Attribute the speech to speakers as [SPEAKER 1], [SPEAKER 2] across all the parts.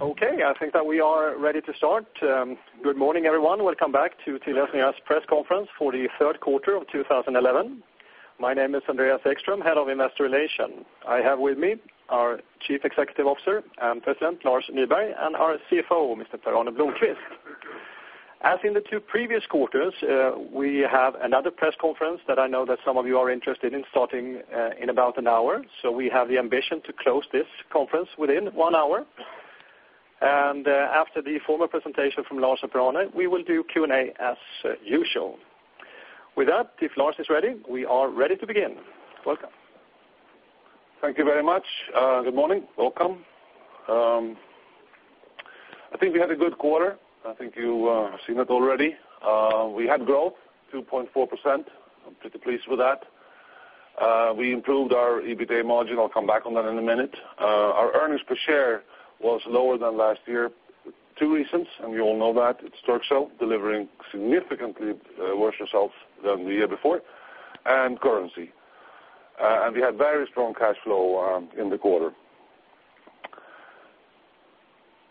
[SPEAKER 1] Okay, I think that we are ready to start. Good morning, everyone. Welcome back to TeliaSonera's Press Conference for the Third Quarter of 2011. My name is Andreas Ekström, Head of Investor Relations. I have with me our Chief Executive Officer and President, Lars Nyberg, and our CFO, Mr. Per-Arne Blomquist.
[SPEAKER 2] Very good.
[SPEAKER 1] As in the two previous quarters, we have another press conference that I know some of you are interested in, starting in about an hour. We have the ambition to close this conference within one hour. After the formal presentation from Lars and Per-Arne, we will do Q&A as usual. With that, if Lars is ready, we are ready to begin. Welcome.
[SPEAKER 2] Thank you very much. Good morning. Welcome. I think we had a good quarter. I think you've seen it already. We had growth, 2.4%. I'm pretty pleased with that. We improved our EBITDA margin. I'll come back on that in a minute. Our earnings per share was lower than last year for two reasons, and you all know that. It's Turkcell, delivering significantly worse results than the year before, and currency. We had very strong cash flow in the quarter.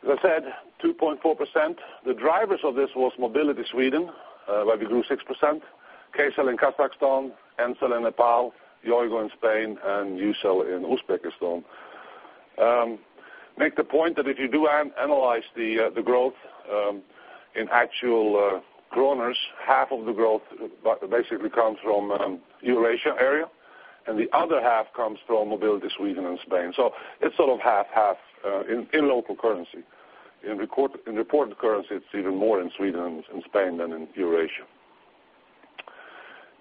[SPEAKER 2] As I said, 2.4%. The drivers of this were Mobility Sweden, where we grew 6%, Kcell in Kazakhstan, Ncell in Nepal, Yoigo in Spain, and Ucell in Uzbekistan. I make the point that if you do analyze the growth in actual krona, half of the growth basically comes from the Eurasian area, and the other half comes from Mobility Sweden and Spain. It's sort of half-half in local currency. In reported currency, it's even more in Sweden and Spain than in Eurasia.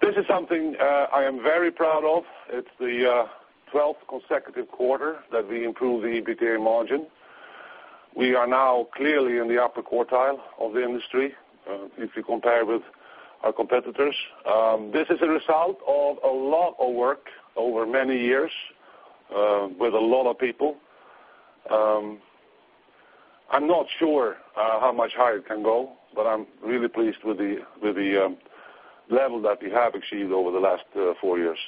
[SPEAKER 2] This is something I am very proud of. It's the 12th consecutive quarter that we improved the EBITDA margin. We are now clearly in the upper quartile of the industry if you compare with our competitors. This is a result of a lot of work over many years with a lot of people. I'm not sure how much higher it can go, but I'm really pleased with the level that we have achieved over the last four years.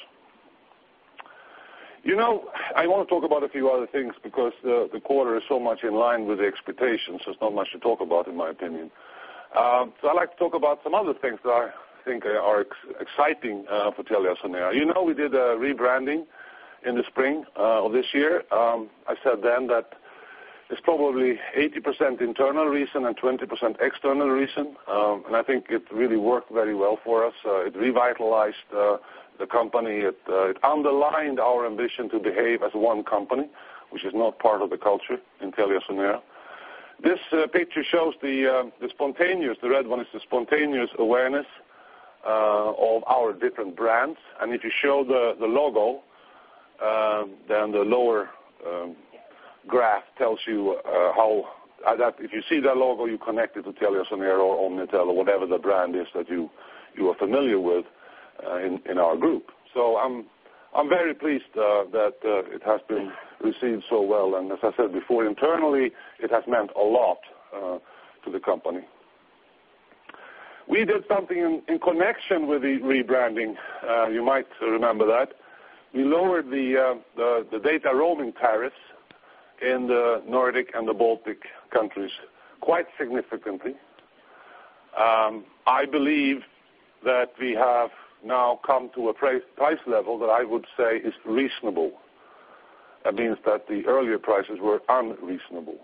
[SPEAKER 2] I want to talk about a few other things because the quarter is so much in line with the expectations. There's not much to talk about, in my opinion. I'd like to talk about some other things that I think are exciting for TeliaSonera. We did a rebranding in the spring of this year. I said then that it's probably 80% internal reason and 20% external reason. I think it really worked very well for us. It revitalized the company. It underlined our ambition to behave as one company, which is not part of the culture in TeliaSonera. This picture shows the spontaneous, the red one is the spontaneous awareness of our different brands. If you show the logo, then the lower graph tells you how that if you see that logo, you connect it to TeliaSonera or Omnitel, or whatever the brand is that you are familiar with in our group. I'm very pleased that it has been received so well. As I said before, internally, it has meant a lot to the company. We did something in connection with the rebranding. You might remember that. We lowered the data roaming tariffs in the Nordic and the Baltic countries quite significantly. I believe that we have now come to a price level that I would say is reasonable. That means that the earlier prices were unreasonable.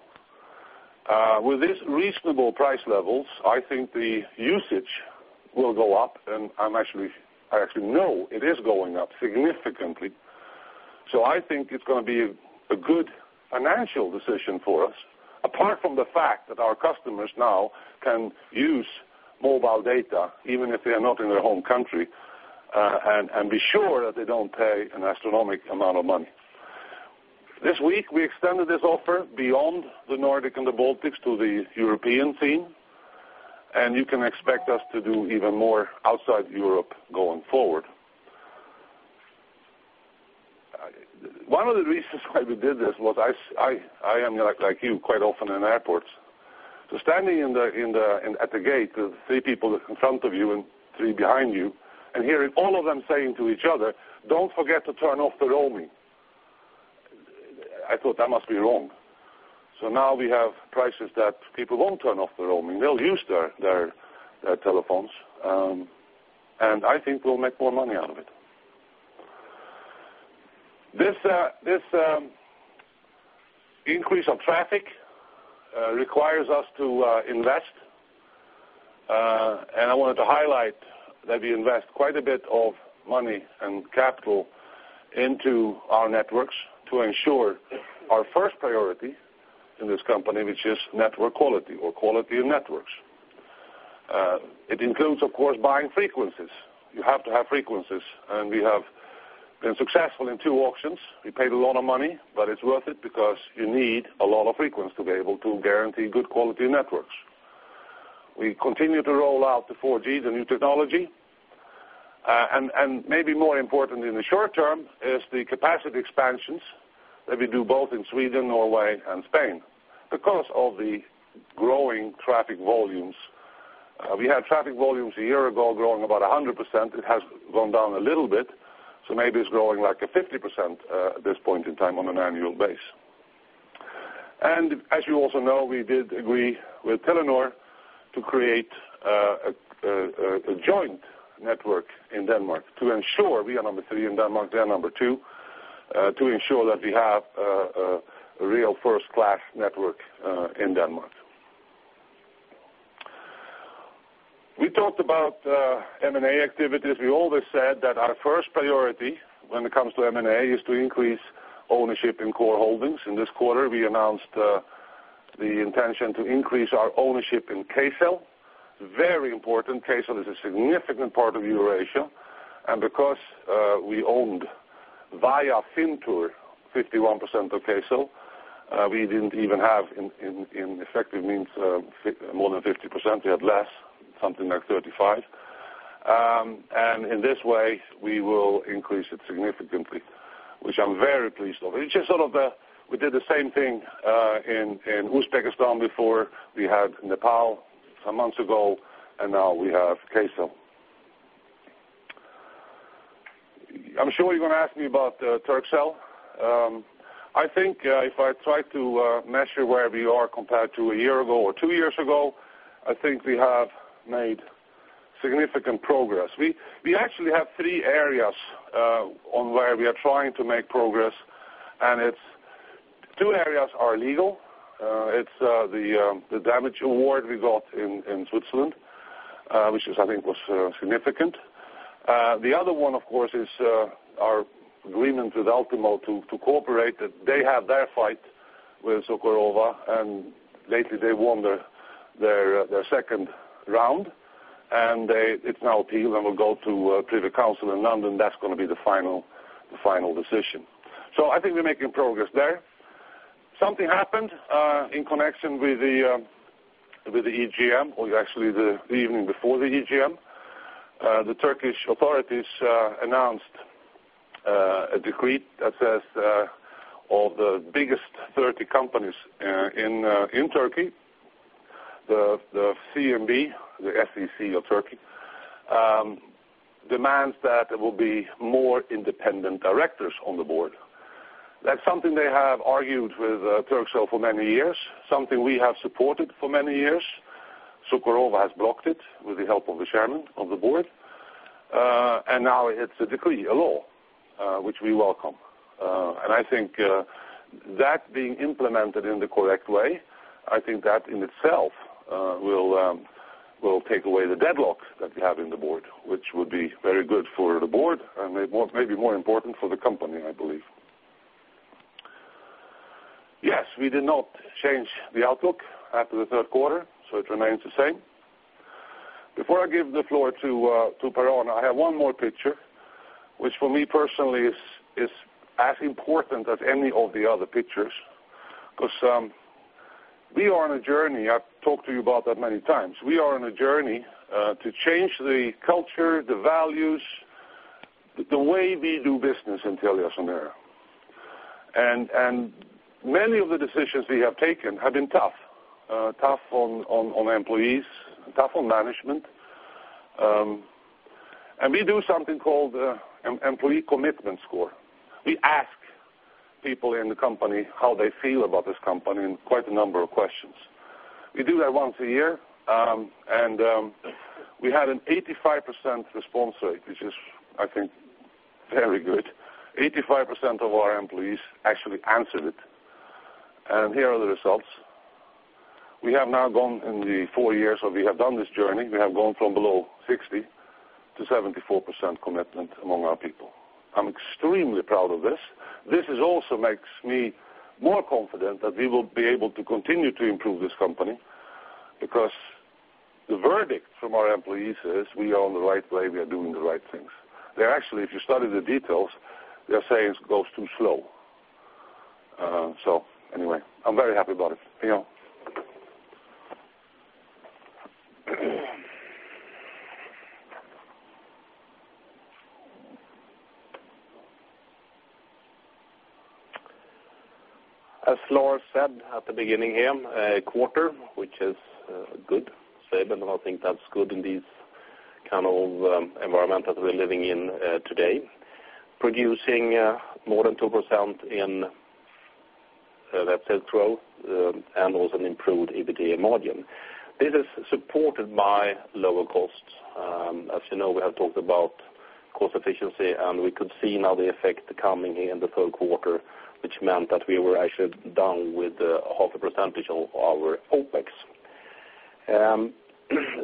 [SPEAKER 2] With these reasonable price levels, I think the usage will go up. I actually know it is going up significantly. I think it's going to be a good financial decision for us, apart from the fact that our customers now can use mobile data, even if they are not in their home country, and be sure that they don't pay an astronomical amount of money. This week, we extended this offer beyond the Nordic and the Baltics to the European scene. You can expect us to do even more outside Europe going forward. One of the reasons why we did this was I am, like you, quite often in airports. Standing at the gate with three people in front of you and three behind you and hearing all of them saying to each other, "Don't forget to turn off the roaming," I thought that must be wrong. Now we have prices that people won't turn off the roaming. They'll use their telephones. I think we'll make more money out of it. This increase of traffic requires us to invest. I wanted to highlight that we invest quite a bit of money and capital into our networks to ensure our first priority in this company, which is network quality or quality of networks. It includes, of course, buying frequencies. You have to have frequencies. We have been successful in two auctions. We paid a lot of money, but it's worth it because you need a lot of frequency to be able to guarantee good quality networks. We continue to roll out the 4G, the new technology. Maybe more important in the short term is the capacity expansions that we do both in Sweden, Norway, and Spain because of the growing traffic volumes. We had traffic volumes a year ago growing about 100%. It has gone down a little bit. Maybe it's growing like a 50% at this point in time on an annual basis. As you also know, we did agree with Telenor to create a joint network in Denmark to ensure we are number three in Denmark. They are number two to ensure that we have a real first-class network in Denmark. We talked about M&A activities. We always said that our first priority when it comes to M&A is to increase ownership in core holdings. In this quarter, we announced the intention to increase our ownership in Kcell. Very important. Kcell is a significant part of Eurasia. Because we owned via Fintur 51% of Kcell, we didn't even have in effective means more than 50%. We had less, something like 35. In this way, we will increase it significantly, which I'm very pleased of. It's just sort of that we did the same thing in Uzbekistan before. We had Nepal some months ago, and now we have Kcell. I'm sure you're going to ask me about Turkcell. If I try to measure where we are compared to a year ago or two years ago, I think we have made significant progress. We actually have three areas where we are trying to make progress. Two areas are legal. It's the damage award we got in Switzerland, which I think was significant. The other one, of course, is our agreement with Altimo to cooperate. They have their fight with Cukurova, and lately, they won their second round. It's now a deal, and we'll go to Privy Council in London. That's going to be the final decision. I think we're making progress there. Something happened in connection with the EGM, or actually the evening before the EGM. The Turkish authorities announced a decree that says all the biggest 30 companies in Turkey, the CMB, the SEC of Turkey, demands that there will be more independent directors on the board. That's something they have argued with Turkcell for many years, something we have supported for many years. Cukurova has blocked it with the help of the Chairman of the Board. Now it's a decree, a law, which we welcome. I think that being implemented in the correct way, that in itself will take away the deadlock that we have in the board, which would be very good for the board and maybe more important for the company, I believe. Yes, we did not change the outlook after the third quarter, so it remains the same. Before I give the floor to Per-Arne, I have one more picture, which for me personally is as important as any of the other pictures because we are on a journey. I've talked to you about that many times. We are on a journey to change the culture, the values, the way we do business in Telia Company AB. Many of the decisions we have taken have been tough, tough on employees, tough on management. We do something called Employee Commitment Score. We ask people in the company how they feel about this company in quite a number of questions. We do that once a year. We had an 85% response rate, which is, I think, very good. 85% of our employees actually answered it. Here are the results. We have now gone in the four years where we have done this journey. We have gone from below 60% to 74% commitment among our people. I'm extremely proud of this. This also makes me more confident that we will be able to continue to improve this company because the verdict from our employees is we are on the right way. We are doing the right things. If you study the details, they're saying it goes too slow. I am very happy about it.
[SPEAKER 3] As Lars said at the beginning here, a quarter which is a good segment, and I think that's good in this kind of environment that we're living in today, producing more than 2% in that sales growth and also an improved EBITDA margin. This is supported by lower costs. As you know, we have talked about cost efficiency, and we could see now the effect coming in the third quarter, which meant that we were actually down with half a percentile of our OpEx.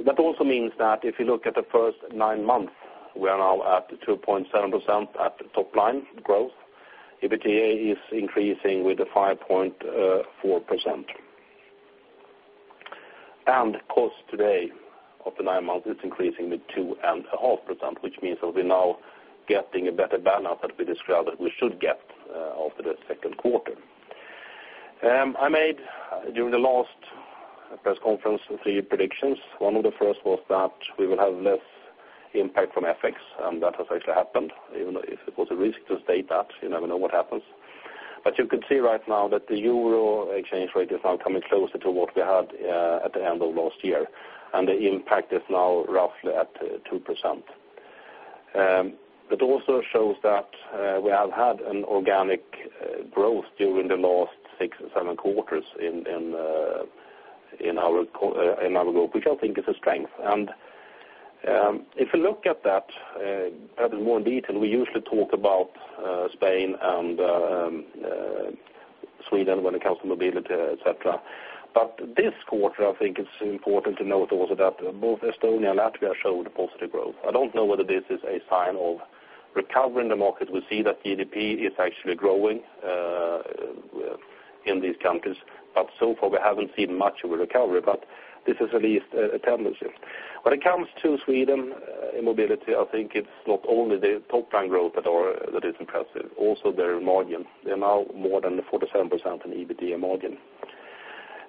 [SPEAKER 3] That also means that if you look at the first nine months, we are now at 2.7% at the top line growth. EBITDA is increasing with 5.4%. And cost today of the nine months is increasing with 2.5%, which means that we're now getting a better burnout that we described that we should get after the second quarter. I made during the last press conference three predictions. One of the first was that we will have less impact from FX, and that has actually happened, even though it was a risk to state that. You never know what happens. You can see right now that the euro exchange rate is now coming closer to what we had at the end of last year, and the impact is now roughly at 2%. It also shows that we have had an organic growth during the last six, seven quarters in our group, which I think is a strength. If you look at that perhaps more in detail, we usually talk about Spain and Sweden when it comes to mobility, etc. This quarter, I think it's important to note also that both Estonia and Latvia showed positive growth. I don't know whether this is a sign of recovery in the market. We see that GDP is actually growing in these countries, but so far, we haven't seen much of a recovery. This is at least a tendency. When it comes to Sweden in mobility, I think it's not only the top line growth that is impressive, also their margin. They're now more than 47% in EBITDA margin.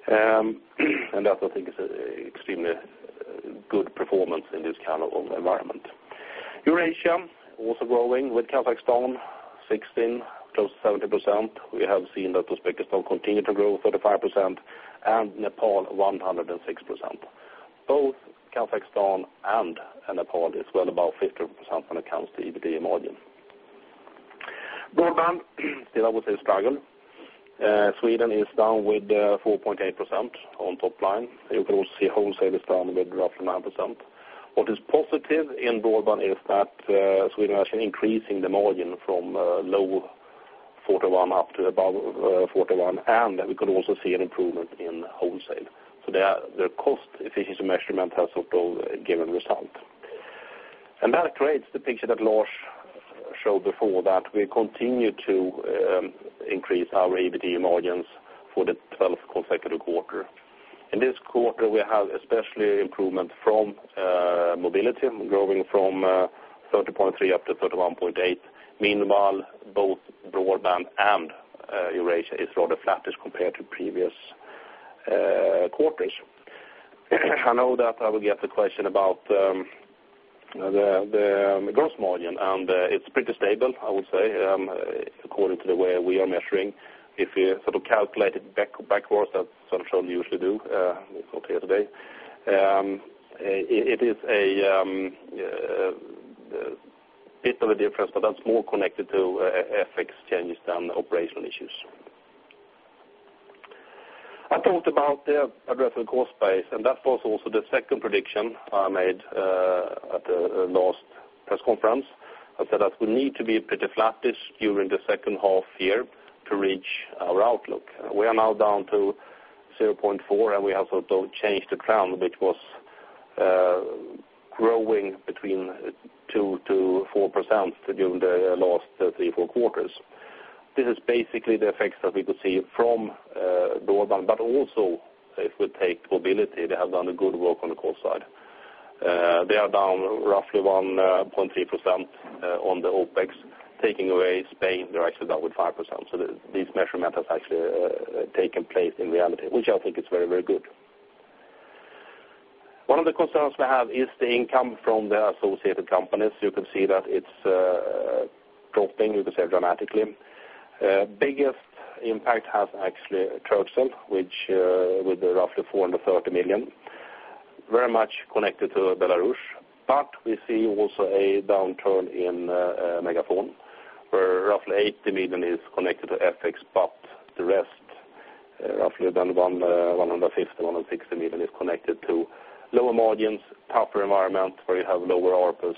[SPEAKER 3] That, I think, is an extremely good performance in this kind of environment. Eurasia also growing with Kazakhstan 16%, close to 17%. We have seen that Uzbekistan continues to grow 35% and Nepal 106%. Both Kazakhstan and Nepal are well above 15% when it comes to EBITDA margin. Norman is still, I would say, struggling. Sweden is down with 4.8% on top line. You can also see wholesale is down with roughly 9%. What is positive in Norman is that Sweden is actually increasing the margin from low 41% up to above 41%, and we could also see an improvement in wholesale. Their cost efficiency measurement has sort of given a result. That creates the picture that Lars showed before, that we continue to increase our EBITDA margins for the 12th consecutive quarter. In this quarter, we have especially improvement from mobility, growing from 30.3% up to 31.8%. Meanwhile, both broadband and Eurasia are rather flattish compared to previous quarters. I know that I will get the question about the gross margin, and it's pretty stable, I would say, according to the way we are measuring. If you sort of calculate it backwards, that's what I'm sure you usually do, not here today. It is a bit of a difference, but that's more connected to FX changes than operational issues. I talked about the addressable cost base, and that was also the second prediction I made at the last press conference. I said that we need to be pretty flattish during the second half year to reach our outlook. We are now down to 0.4%, and we have sort of changed the trend, which was growing between 2%-4% during the last three, four quarters. This is basically the effects that we could see from Norman, but also if we take mobility, they have done a good work on the cost side. They are down roughly 1.3% on the OpEx, taking away Spain, they're actually down with 5%. These measurements have actually taken place in reality, which I think is very, very good. One of the concerns we have is the income from the associated companies. You can see that it's dropping, you can say, dramatically. Biggest impact has actually Turkcell, with roughly $430 million, very much connected to Belarus. We see also a downturn in MegaFon, where roughly $80 million is connected to FX, but the rest, roughly around $150 million-$160 million, is connected to lower margins, tougher environment where you have lower ARPUs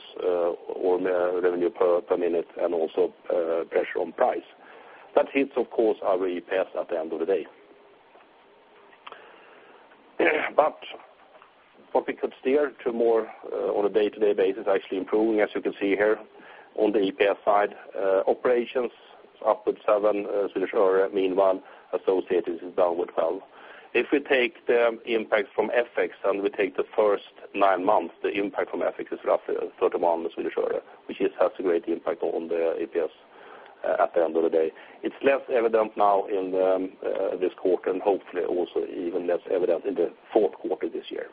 [SPEAKER 3] or revenue per minute, and also pressure on price. That hits, of course, our EPS at the end of the day. What we could steer to more on a day-to-day basis is actually improving, as you can see here on the EPS side. Operations up with $7, meanwhile, associated is down with $2. If we take the impacts from FX and we take the first nine months, the impact from FX is roughly $31, which has a great impact on the EPS at the end of the day. It's less evident now in this quarter and hopefully also even less evident in the fourth quarter this year.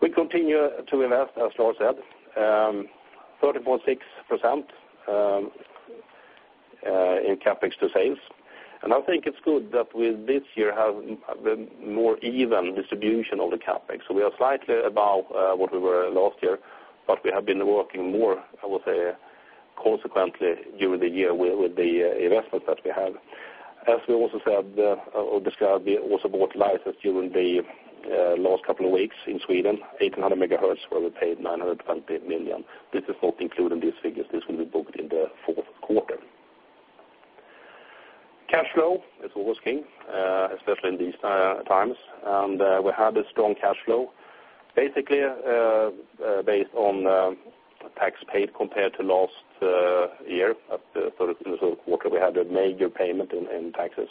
[SPEAKER 3] We continue to invest as Lars said, 30.6% in CapEx to sales. I think it's good that we this year have the more even distribution of the CapEx. We are slightly above what we were last year, but we have been working more, I would say, consequently during the year with the investment that we have. As we also said or described, we also bought license during the last couple of weeks in Sweden, 1,800 MHz, where we paid $920 million. This is not included in these figures. This one we booked in the quarter. Cash flow, it's always king especially in these times. We had a strong cash flow, basically based on tax paid compared to last year. At the third quarter, we had a major payment in taxes.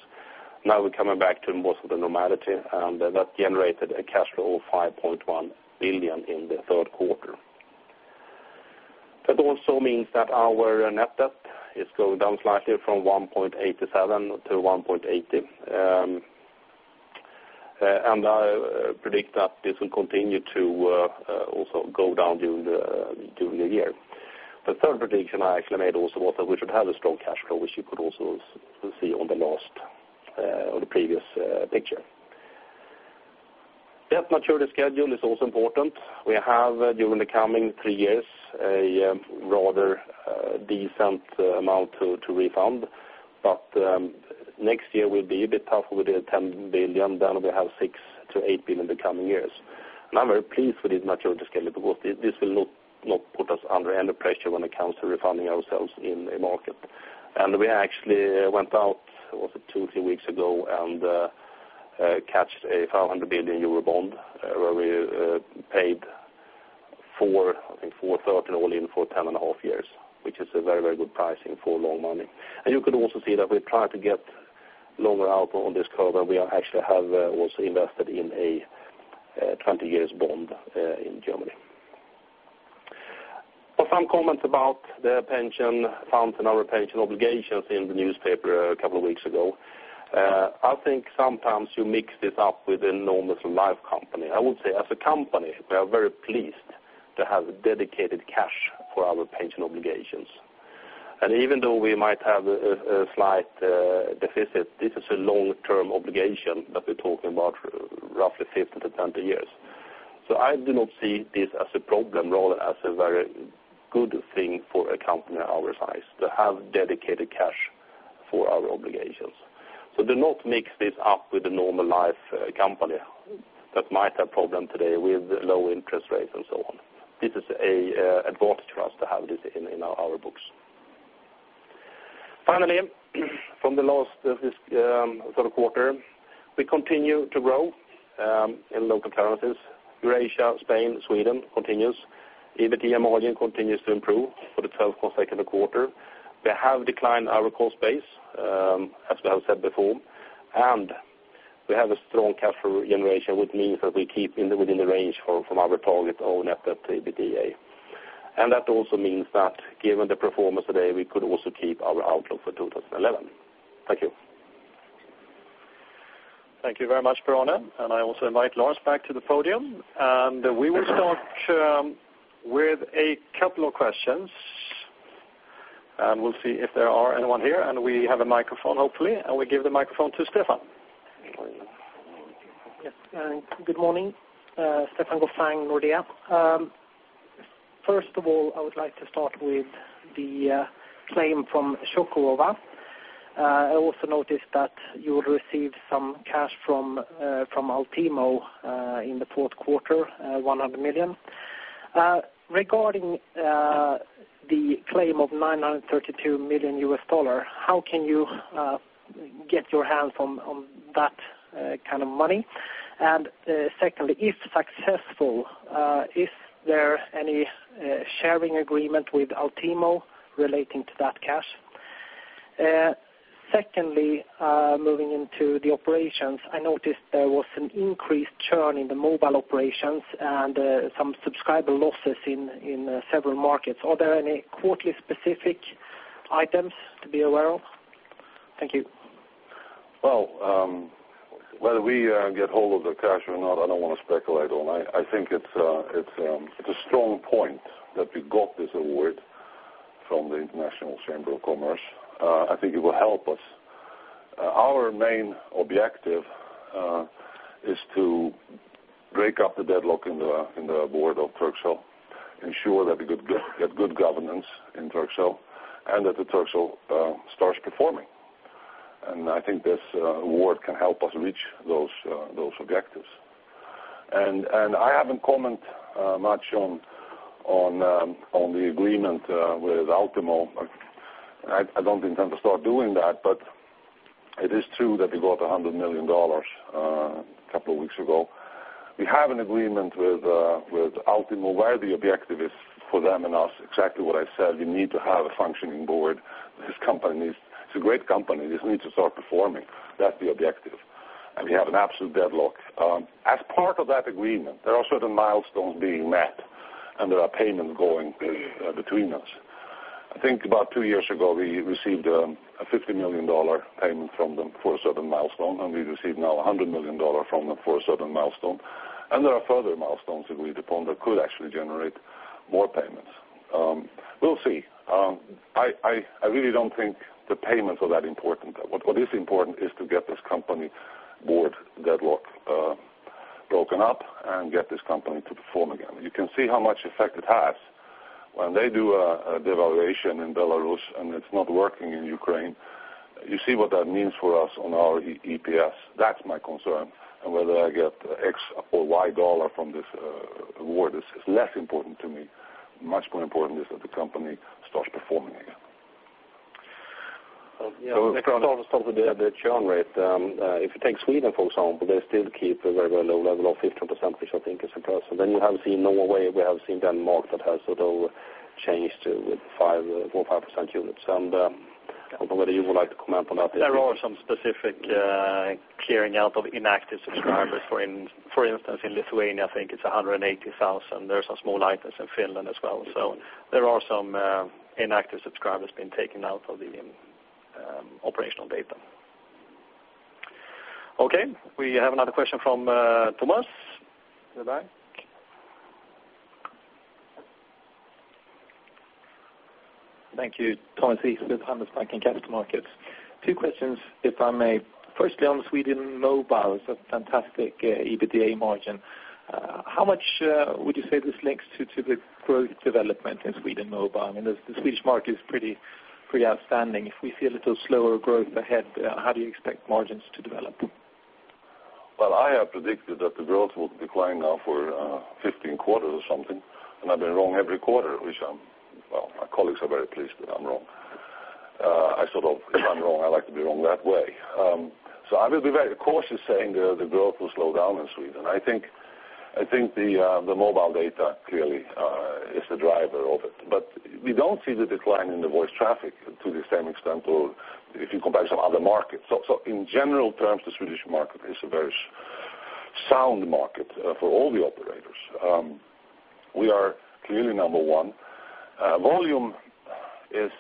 [SPEAKER 3] Now we're coming back to most of the normality, and that generated a cash flow of $5.1 billion in the third quarter. That also means that our net debt is going down slightly from $1.87 billion-$1.80 billion. I predict that this will continue to also go down during the year. The third prediction I actually made also was that we should have a strong cash flow, which you could also see on the last or the previous picture. Debt maturity schedule is also important. We have during the coming three years a rather decent amount to refund. Next year will be a bit tougher with the $10 billion. We have $6 billion-$8 billion in the coming years. I am very pleased with this maturity schedule because this will not put us under any pressure when it comes to refunding ourselves in a market. We actually went out, was it two or three weeks ago, and caught a 500 million euro bond where we paid 4.30% all in for 10 and a half years, which is a very, very good pricing for long money. You could also see that we try to get longer out on this curve. We actually have also invested in a 20-year bond in Germany. There were some comments about the pension fund and our pension obligations in the newspaper a couple of weeks ago. I think sometimes you mix this up with an enormous life company. I would say as a company, we are very pleased to have dedicated cash for our pension obligations. Even though we might have a slight deficit, this is a long-term obligation that we're talking about, roughly 15 to 20 years. I do not see this as a problem, rather as a very good thing for a company our size to have dedicated cash for our obligations. Do not mix this up with a normal life company that might have problems today with low interest rates and so on. This is an advantage for us to have this in our books. Finally, from the last third quarter, we continue to grow in local alternatives. Eurasia, Spain, Sweden continues. EBITDA margin continues to improve for the 12th consecutive quarter. We have declined our cost base, as we have said before. We have a strong cash flow generation, which means that we keep within the range from our target net debt EBITDA. That also means that given the performance today, we could also keep our outlook for 2011. Thank you.
[SPEAKER 1] Thank you very much, Per-Arne. I also invite Lars back to the podium. We will start with a couple of questions. We'll see if there are anyone here. We have a microphone, hopefully. We give the microphone to Stefan.
[SPEAKER 4] Yeah. Good morning. Stefan Gauffin, Nordea. First of all, I would like to start with the claim from Cukurova. I also noticed that you received some cash from Altimo in the fourth quarter, $100 million. Regarding the claim of $932 million, how can you get your hands on that kind of money? If successful, is there any sharing agreement with Altimo relating to that cash? Secondly, moving into the operations, I noticed there was an increased churn in the mobile operations and some subscriber losses in several markets. Are there any quarterly specific items to be aware of? Thank you.
[SPEAKER 2] Whether we get hold of the cash or not, I don't want to speculate on. I think it's a strong point that we got this award from the International Chamber of Commerce. I think it will help us. Our main objective is to break up the deadlock in the board of Turkcell, ensure that we get good governance in Turkcell, and that Turkcell starts performing. I think this award can help us reach those objectives. I haven't commented much on the agreement with Altimo. I don't intend to start doing that, but it is true that we got $100 million a couple of weeks ago. We have an agreement with Altimo where the objective is for them and us exactly what I said. We need to have a functioning board. This company is a great company. This needs to start performing. That's the objective. We have an absolute deadlock. As part of that agreement, there are certain milestones being met, and there are payments going between us. I think about two years ago, we received a $50 million payment from them for a certain milestone, and we received now $100 million from them for a certain milestone. There are further milestones agreed upon that could actually generate more payments. We'll see. I really don't think the payments are that important. What is important is to get this company board deadlock broken up and get this company to perform again. You can see how much effect it has when they do a devaluation in Belarus and it's not working in Ukraine. You see what that means for us on our EPS. That's my concern. Whether I get X or Y dollar from this award is less important to me. Much more important is that the company starts performing again. Yeah. Next topic is the churn rate. If you take Sweden, for example, they still keep a very, very low level of 15%, which I think is impressive. You have seen Norway. We have seen Denmark that has sort of changed with 4% or 5% units. I don't know whether you would like to comment on that.
[SPEAKER 3] There are some specific clearing out of inactive subscribers. For instance, in Lithuania, I think it's $180,000. There are some small items in Finland as well. There are some inactive subscribers being taken out of the operational data.
[SPEAKER 1] Okay, we have another question from Thomas.
[SPEAKER 5] Thank you. Thomas Rees with Handelsbanken Capital Markets] Two questions, if I may. Firstly, on Sweden Mobile, it's a fantastic EBITDA margin. How much would you say this links to the growth development in Sweden Mobile? I mean, the Swedish market is pretty outstanding. If we see a little slower growth ahead, how do you expect margins to develop?
[SPEAKER 2] I have predicted that the growth will decline now for 15 quarters or something, and I've been wrong every quarter, which I'm, my colleagues are very pleased that I'm wrong. I sort of, if I'm wrong, I like to be wrong that way. I will be very cautious saying the growth will slow down in Sweden. I think the mobile data clearly is the driver of it. We don't see the decline in the voice traffic to the same extent if you compare some other markets. In general terms, the Swedish market is a very sound market for all the operators. We are clearly number one. Volume is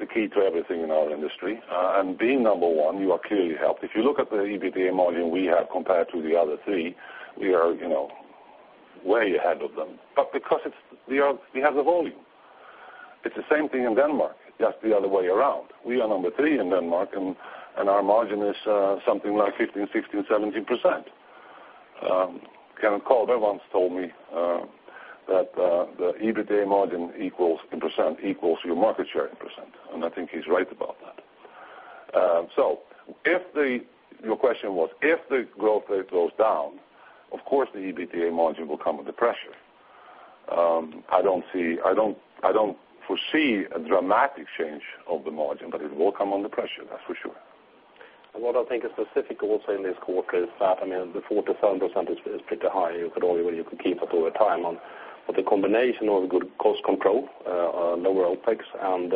[SPEAKER 2] the key to everything in our industry, and being number one, you are clearly helped. If you look at the EBITDA margin we have compared to the other three, we are way ahead of them because we have the volume. It's the same thing in Denmark, just the other way around. We are number three in Denmark, and our margin is something like 15%, 16%, 17%. Kenneth Calder once told me that the EBITDA margin in percent equals your market share in percent. I think he's right about that. If your question was if the growth rate goes down, of course, the EBITDA margin will come under pressure. I don't foresee a dramatic change of the margin, but it will come under pressure, that's for sure.
[SPEAKER 3] What I think is specific also in this quarter is that, I mean, the 4%-7% is pretty high. You could always, you could keep up over time. The combination of good cost control, lower OpEx, and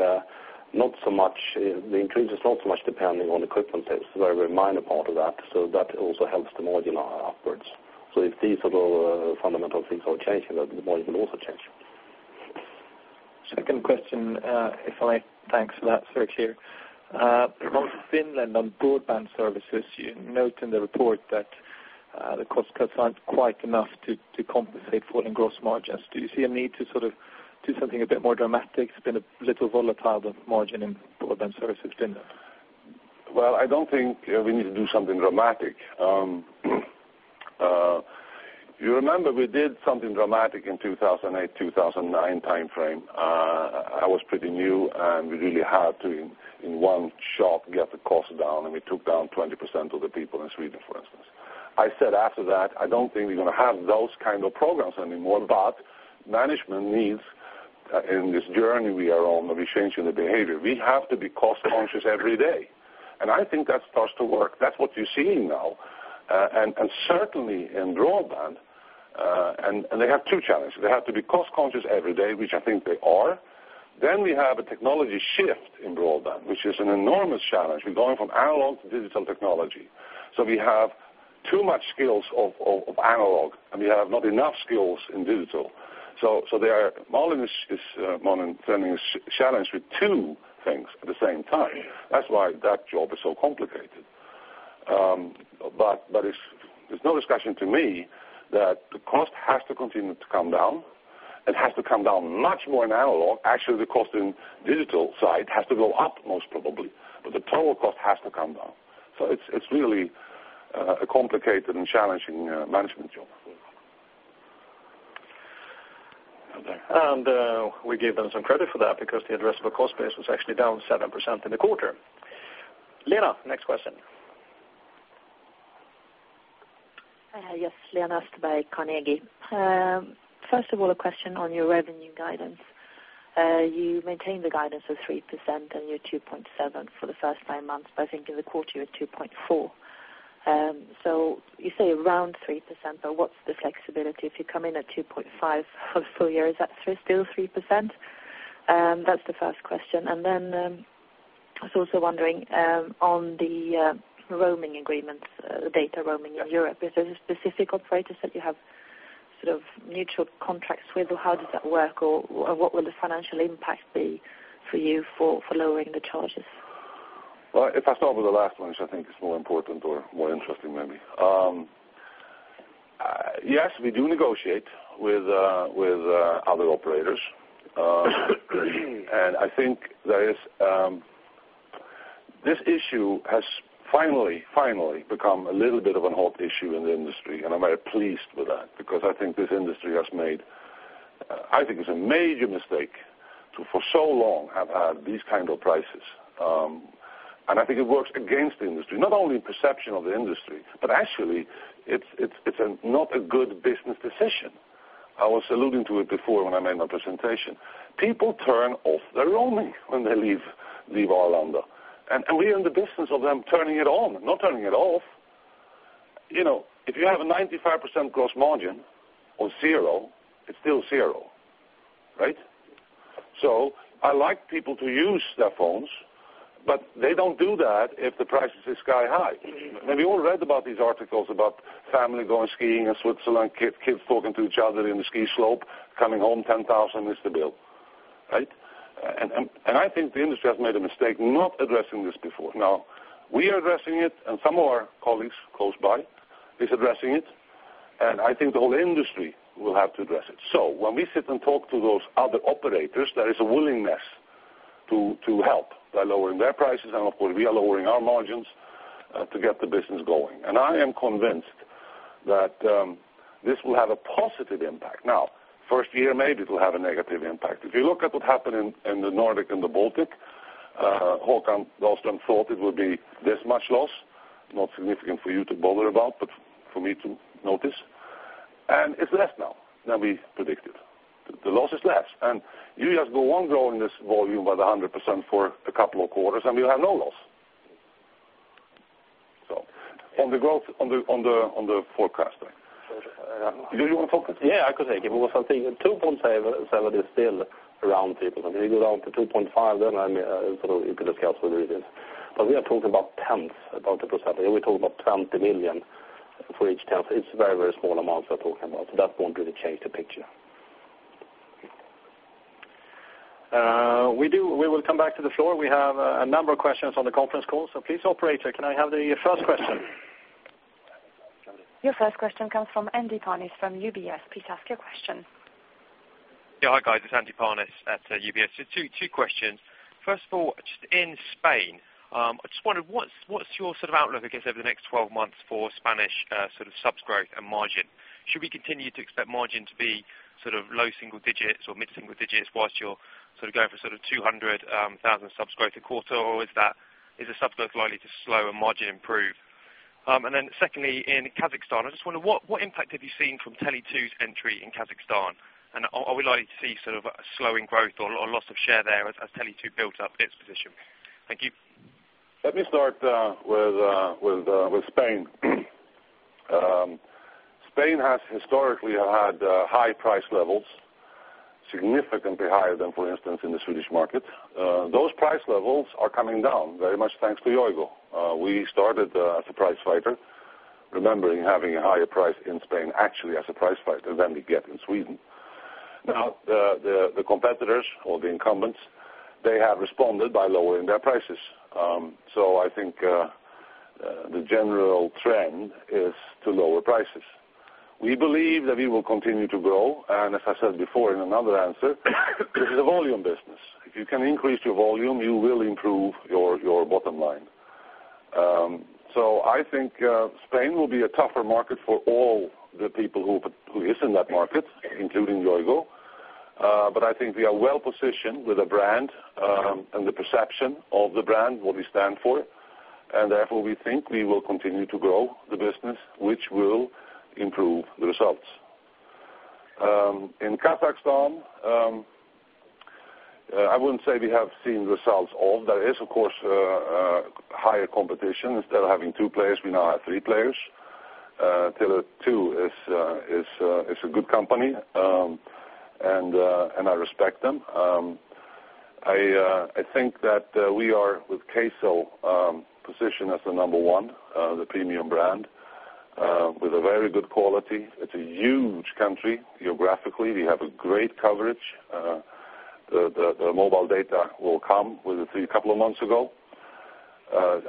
[SPEAKER 3] not so much the increase is not so much depending on equipment. It's a very, very minor part of that. That also helps the margin upwards. If these sort of fundamental things are changing, then the margin will also change.
[SPEAKER 5] Second question, if I may. Thanks for that. Sorry to you. For Finland, on broadband services, you note in the report that the cost cuts aren't quite enough to compensate falling gross margins. Do you see a need to sort of do something a bit more dramatic? It's been a little volatile margin in broadband services there.
[SPEAKER 2] I don't think we need to do something dramatic. You remember we did something dramatic in 2008, 2009 timeframe. I was pretty new, and we really had to, in one shot, get the cost down. We took down 20% of the people in Sweden, for instance. I said after that, I don't think we're going to have those kinds of programs anymore. Management needs, in this journey, we are all maybe changing the behavior. We have to be cost-conscious every day. I think that starts to work. That's what you're seeing now. Certainly in broadband, they have two challenges. They have to be cost-conscious every day, which I think they are. We have a technology shift in broadband, which is an enormous challenge. We're going from analog to digital technology. We have too much skills of analog, and we have not enough skills in digital. They are modeling this challenge with two things at the same time. That's why that job is so complicated. It's no discussion to me that the cost has to continue to come down and has to come down much more in analog. Actually, the cost in the digital side has to go up most probably. The total cost has to come down. It's really a complicated and challenging management job.
[SPEAKER 1] We gave them some credit for that because the addressable cost base was actually down 7% in the quarter. Lena, next question.
[SPEAKER 6] Yes, Lena asked about Carnegie. First of all, a question on your revenue guidance. You maintained the guidance of 3% and you're 2.7% for the first nine months, but I think in the quarter, you're at 2.4%. You say around 3%, but what's the flexibility if you come in at 2.5% for a full year? Is that still 3%? That's the first question. I was also wondering on the roaming agreements, the data roaming in Europe. Is there a specific operator that you have sort of mutual contracts with, or how does that work, or what would the financial impact be for you for lowering the charges?
[SPEAKER 2] If that's not with the last one, which I think is more important or more interesting, maybe. Yes, we do negotiate with other operators. I think this issue has finally, finally become a little bit of a hot issue in the industry. I'm very pleased with that because I think this industry has made, I think it's a major mistake to for so long have had these kinds of prices. I think it works against the industry, not only in perception of the industry, but actually, it's not a good business decision. I was alluding to it before when I made my presentation. People turn off their roaming when they leave Ireland. We are in the business of them turning it on, not turning it off. You know, if you have a 95% gross margin on zero, it's still zero, right? I like people to use their phones, but they don't do that if the price is sky-high. Maybe you all read about these articles about family going skiing in Switzerland, kids talking to each other in the ski slope, coming home $10,000 is the bill, right? I think the industry has made a mistake not addressing this before. Now, we are addressing it, and some of our colleagues close by are addressing it. I think the whole industry will have to address it. When we sit and talk to those other operators, there is a willingness to help by lowering their prices. Of course, we are lowering our margins to get the business going. I am convinced that this will have a positive impact. First year, maybe it will have a negative impact. If you look at what happened in the Nordic and the Baltic, Håkan Dalsland thought it would be this much loss, not significant for you to bother about, but for me to notice. It's less now than we predicted. The loss is less. You just go on growing this volume by the 100% for a couple of quarters, and you have no loss. On the growth, on the forecast, right? Do you want to talk?
[SPEAKER 3] I could take it. Something 2.7% is still around people, maybe around 2.5%. I mean, you put the cuts where you need it. We are talking about tenths of a percent. We're talking about $20 million for each tenth. It's a very, very small amount we're talking about. That won't really change the picture.
[SPEAKER 1] We do. We will come back to the floor. We have a number of questions on the conference call. Please, operator, can I have the first question?
[SPEAKER 7] Your first question comes from Andy Kehnle from UBS. Please ask your question.
[SPEAKER 8] Yeah, hi guys. It's Andy Kehnle at UBS. Two questions. First of all, just in Spain, I just wondered, what's your sort of outlook, I guess, over the next 12 months for Spanish sort of subs growth and margin? Should we continue to expect margins to be sort of low single digits or mid-single digits whilst you're sort of going for sort of 200,000 subs growth a quarter, or is the subs growth likely to slow and margin improve? Secondly, in Kazakhstan, I just wonder, what impact have you seen from Tele2's entry in Kazakhstan? Are we likely to see sort of a slowing growth or loss of share there as Tele2 builds up its position? Thank you.
[SPEAKER 2] Let me start with Spain. Spain has historically had high price levels, significantly higher than, for instance, in the Swedish market. Those price levels are coming down very much thanks to Yoigo. We started as a price fighter, remembering having a higher price in Spain, actually as a price fighter than we get in Sweden. Now, the competitors or the incumbents, they have responded by lowering their prices. I think the general trend is to lower prices. We believe that we will continue to grow. As I said before in another answer, this is a volume business. If you can increase your volume, you will improve your bottom line. I think Spain will be a tougher market for all the people who are in that market, including Yoigo. I think we are well positioned with a brand and the perception of the brand, what we stand for. Therefore, we think we will continue to grow the business, which will improve the results. In Kazakhstan, I wouldn't say we have seen results of. There is, of course, higher competition. Instead of having two players, we now have three players. Tele2 is a good company, and I respect them. I think that we are with Kcell positioned as the number one, the premium brand, with a very good quality. It's a huge country. Geographically, we have a great coverage. The mobile data will come with the three a couple of months ago.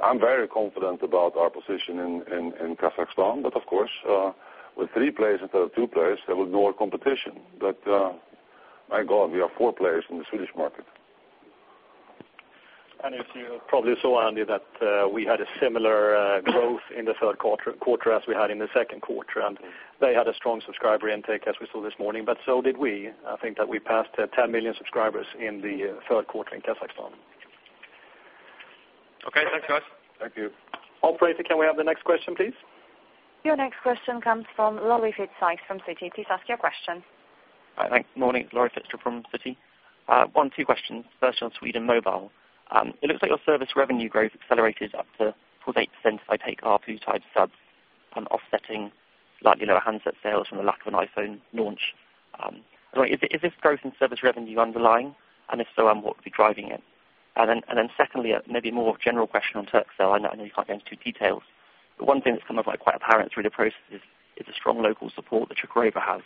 [SPEAKER 2] I'm very confident about our position in Kazakhstan. Of course, with three players instead of two players, there will be more competition. My God, we are four players in the Swedish market.
[SPEAKER 3] You probably saw, Andy, that we had similar growth in the third quarter as we had in the second quarter. They had a strong subscriber intake, as we saw this morning. So did we. I think that we passed 10 million subscribers in the third quarter in Kazakhstan.
[SPEAKER 8] Okay, thanks, guys.
[SPEAKER 2] Thank you.
[SPEAKER 1] Operator, can we have the next question, please?
[SPEAKER 7] Your next question comes from [Laurie Fitzhite] from Citi. Please ask your question.
[SPEAKER 9] Hi, thanks. Morning. [L]aurie Fitzhite from Citi. One, two questions. First, on Sweden Mobile. It looks like your service revenue growth accelerated up to 48% by taking ARPU-type subs and offsetting handset sales from the lack of an iPhone launch. Is this growth in service revenue underlying? If so, what would be driving it? Secondly, maybe a more general question on Turkcell. I know you can't go into details. One thing that's come up quite apparent through the process is the strong local support that Turkcell has.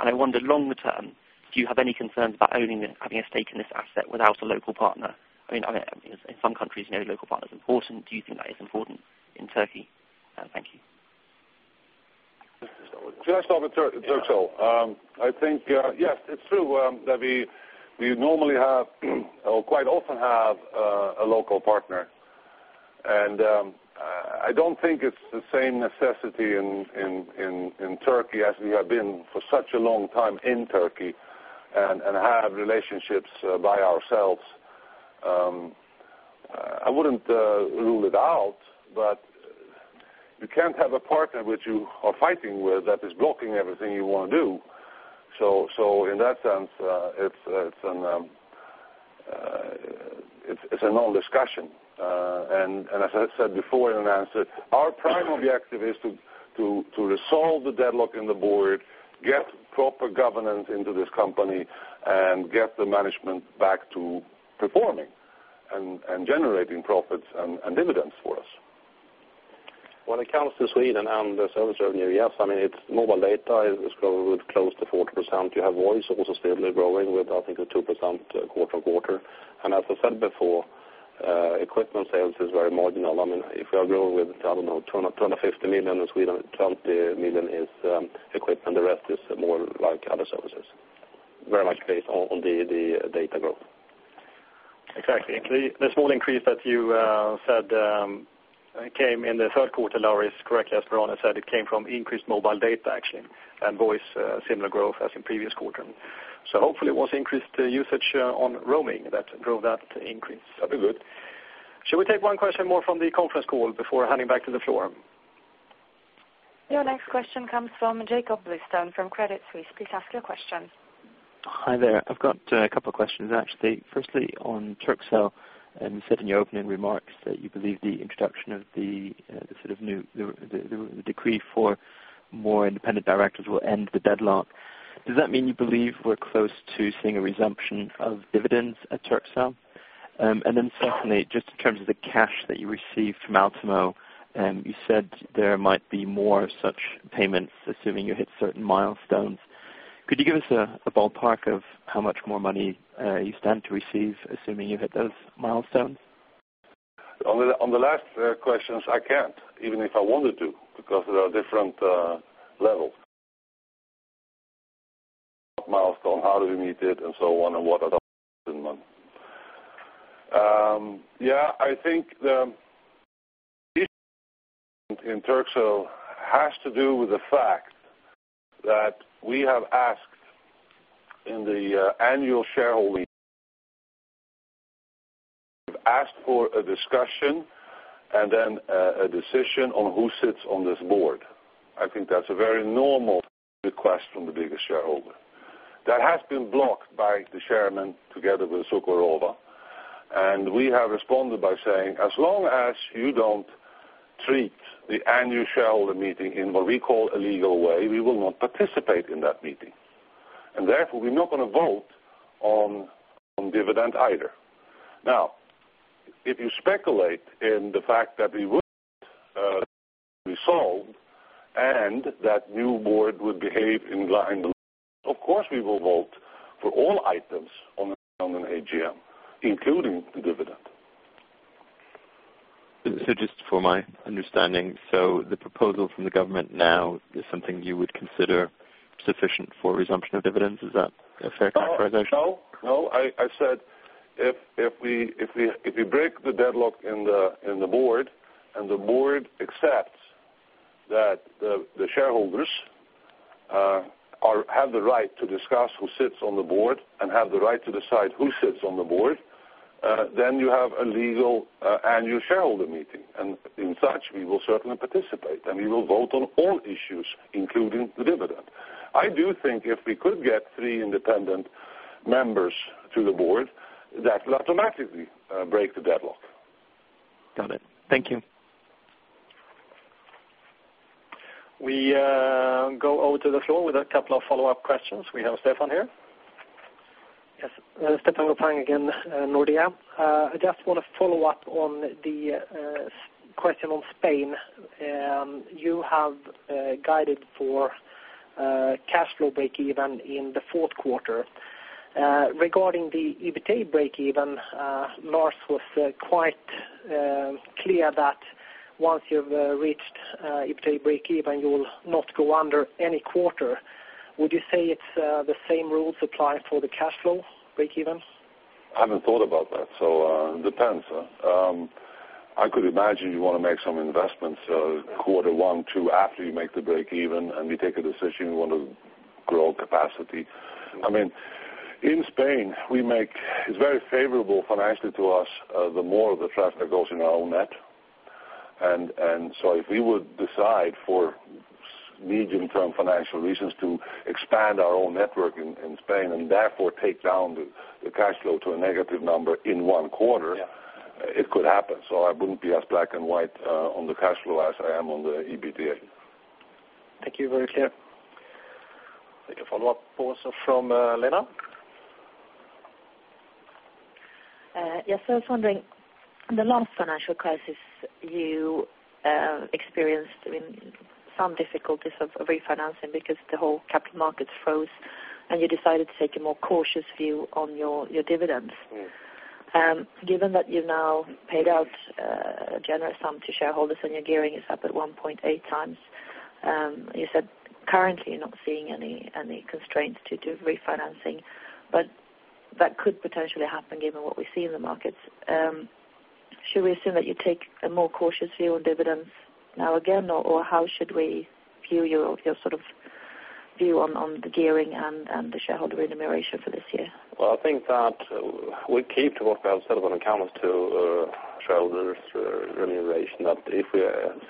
[SPEAKER 9] I wonder, longer term, do you have any concerns about owning and having a stake in this asset without a local partner? I mean, in some countries, you know the local partner is important. Do you think that is important in Turkey? Thank you.
[SPEAKER 2] Can I start with Turkcell? I think, yes, it's true that we normally have, or quite often have, a local partner. I don't think it's the same necessity in Turkey as we have been for such a long time in Turkey and have relationships by ourselves. I wouldn't rule it out, but you can't have a partner which you are fighting with that is blocking everything you want to do. In that sense, it's a non-discussion. As I said before in an answer, our prime objective is to resolve the deadlock in the board, get proper governance into this company, and get the management back to performing and generating profits and dividends for us.
[SPEAKER 3] When it comes to Sweden and the service revenue, yes, I mean, it's mobile data. It's growing with close to 40%. You have voice also steadily growing with, I think, a 2% quarter-quarter. As I said before, equipment sales is very marginal. If we are growing with, I don't know, $250 million in Sweden, $20 million is equipment. The rest is more like other services, very much based on the data growth.
[SPEAKER 1] Exactly. The small increase that you said came in the third quarter, Laurie, is correctly as Per-Arne said. It came from increased mobile data, actually. Voice had similar growth as in previous quarters. Hopefully, it was increased usage on roaming that drove that increase.
[SPEAKER 2] That'd be good.
[SPEAKER 1] Shall we take one question more from the conference call before handing back to the floor?
[SPEAKER 7] Your next question comes from Jakob Bluestone from Credit Suisse. Please ask your question.
[SPEAKER 10] Hi there. I've got a couple of questions, actually. Firstly, on Turkcell, you said in your opening remarks that you believe the introduction of the sort of new decree for more independent directors will end the deadlock. Does that mean you believe we're close to seeing a resumption of dividends at Turkcell? Secondly, just in terms of the cash that you received from Altimo, you said there might be more such payments assuming you hit certain milestones. Could you give us a ballpark of how much more money you stand to receive assuming you hit those milestones?
[SPEAKER 2] On the last questions, I can't, even if I wanted to, because there are different levels. Milestone, how do we meet it, and so on, and what? I think in Turkcell it has to do with the fact that we have asked in the annual shareholding, we've asked for a discussion and then a decision on who sits on this board. I think that's a very normal request from the biggest shareholder. That has been blocked by the chairman together with Cukurova. We have responded by saying, as long as you don't treat the annual shareholder meeting in what we call a legal way, we will not participate in that meeting. Therefore, we're not going to vote on dividend either. Now, if you speculate in the fact that we would resolve and that new board would behave in line with, of course, we will vote for all items on an AGM, including the dividend.
[SPEAKER 10] Just for my understanding, the proposal from the government now is something you would consider sufficient for resumption of dividends. Is that a fair characterization?
[SPEAKER 2] No, no. I've said if we break the deadlock in the board and the board accepts that the shareholders have the right to discuss who sits on the board and have the right to decide who sits on the board, you have a legal annual shareholder meeting. In such, we will certainly participate, and we will vote on all issues, including the dividend. I do think if we could get three independent members to the board, that will automatically break the deadlock.
[SPEAKER 10] Got it. Thank you.
[SPEAKER 1] We go over to the floor with a couple of follow-up questions. We have Stefan here.
[SPEAKER 4] Yes. Stefan again, Nordea. I just want to follow up on the question on Spain. You have guided for cash flow break-even in the fourth quarter. Regarding the EBITDA break-even, Lars was quite clear that once you've reached EBITDA break-even, you'll not go under any quarter. Would you say the same rules apply for the cash flow break-even?
[SPEAKER 2] I haven't thought about that. It depends. I could imagine you want to make some investments quarter one, two after you make the break-even, and we take a decision we want to grow capacity. In Spain, it's very favorable financially to us the more the trust that goes in our own net. If we would decide for medium-term financial reasons to expand our own network in Spain and therefore take down the cash flow to a negative number in one quarter, it could happen. I wouldn't be as black and white on the cash flow as I am on the EBITDA.
[SPEAKER 1] Thank you. Very clear. Follow-up also from Lena.
[SPEAKER 6] Yes. I was wondering, in the last financial crisis, you experienced some difficulties of refinancing because the whole capital markets froze. You decided to take a more cautious view on your dividends. Given that you've now paid out a generous sum to shareholders and your gearing is up at 1.8x, you said currently you're not seeing any constraints due to refinancing. That could potentially happen given what we see in the markets. Should we assume that you take a more cautious view on dividends now again, or how should we view your sort of view on the gearing and the shareholder remuneration for this year?
[SPEAKER 2] I think that we keep to what we have set up on account as to shareholders' remuneration, that if we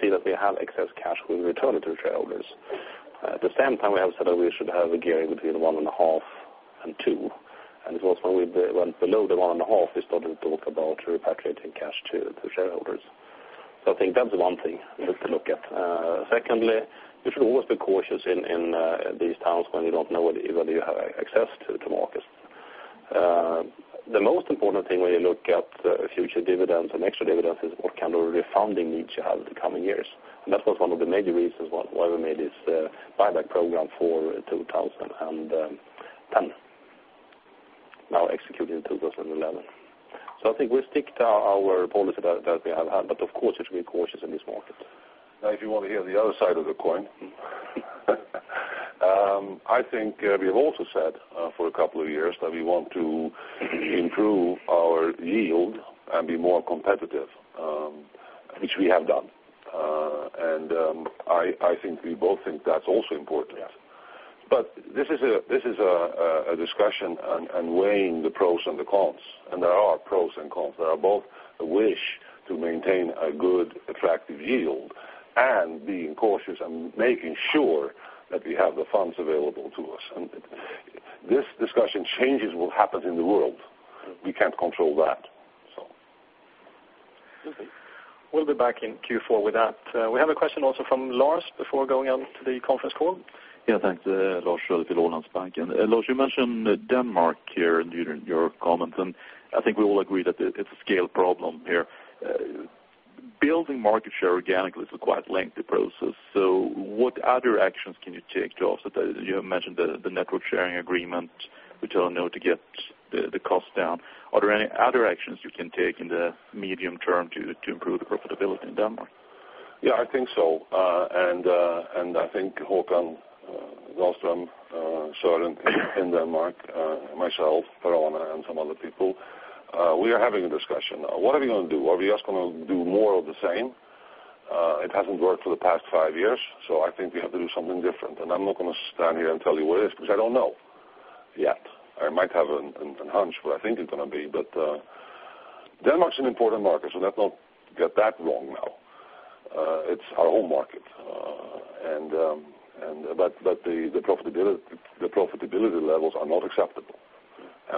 [SPEAKER 2] see that we have excess cash, we return it to shareholders. At the same time, we have said that we should have a gearing between 1.5x and 2. Of course, when we went below the 1.5x, we started to talk about repatriating cash to shareholders. I think that's one thing you have to look at. Secondly, you should always be cautious in these times when you don't know whether you have access to markets. The most important thing when you look at future dividends and extra dividends is what kind of refunding needs you have in the coming years. That was one of the major reasons why we made this buyback program for 2010 while executing in 2011. I think we stick to our policy that we have had.
[SPEAKER 3] Of course, you should be cautious in this market.
[SPEAKER 2] Now, if you want to hear the other side of the coin, I think we have also said for a couple of years that we want to improve our yield and be more competitive, which we have done. I think we both think that's also important. This is a discussion and weighing the pros and the cons. There are pros and cons. There are both a wish to maintain a good, attractive yield and being cautious and making sure that we have the funds available to us. This discussion changes what happens in the world. We can't control that.
[SPEAKER 1] We'll be back in Q4 with that. We have a question also from Lars before going on to the conference call.
[SPEAKER 11] Yeah, thanks, Lars, Lowlands Bank. Lars, you mentioned Denmark here in your comments. I think we all agree that it's a scale problem here. Building market share organically is a quite lengthy process. What other actions can you take to offset that? You mentioned the network-sharing agreement with Telenor to get the cost down. Are there any other actions you can take in the medium term to improve the profitability in Denmark?
[SPEAKER 2] Yeah, I think so. I think [Håkan, Ekstrom, Per-Arne], and some other people, we are having a discussion now. What are we going to do? Are we just going to do more of the same? It hasn't worked for the past five years. I think we have to do something different. I'm not going to stand here and tell you what it is because I don't know yet. I might have a hunch of what I think it's going to be. Denmark is an important market. Let's not get that wrong now. It's our home market, but the profitability levels are not acceptable.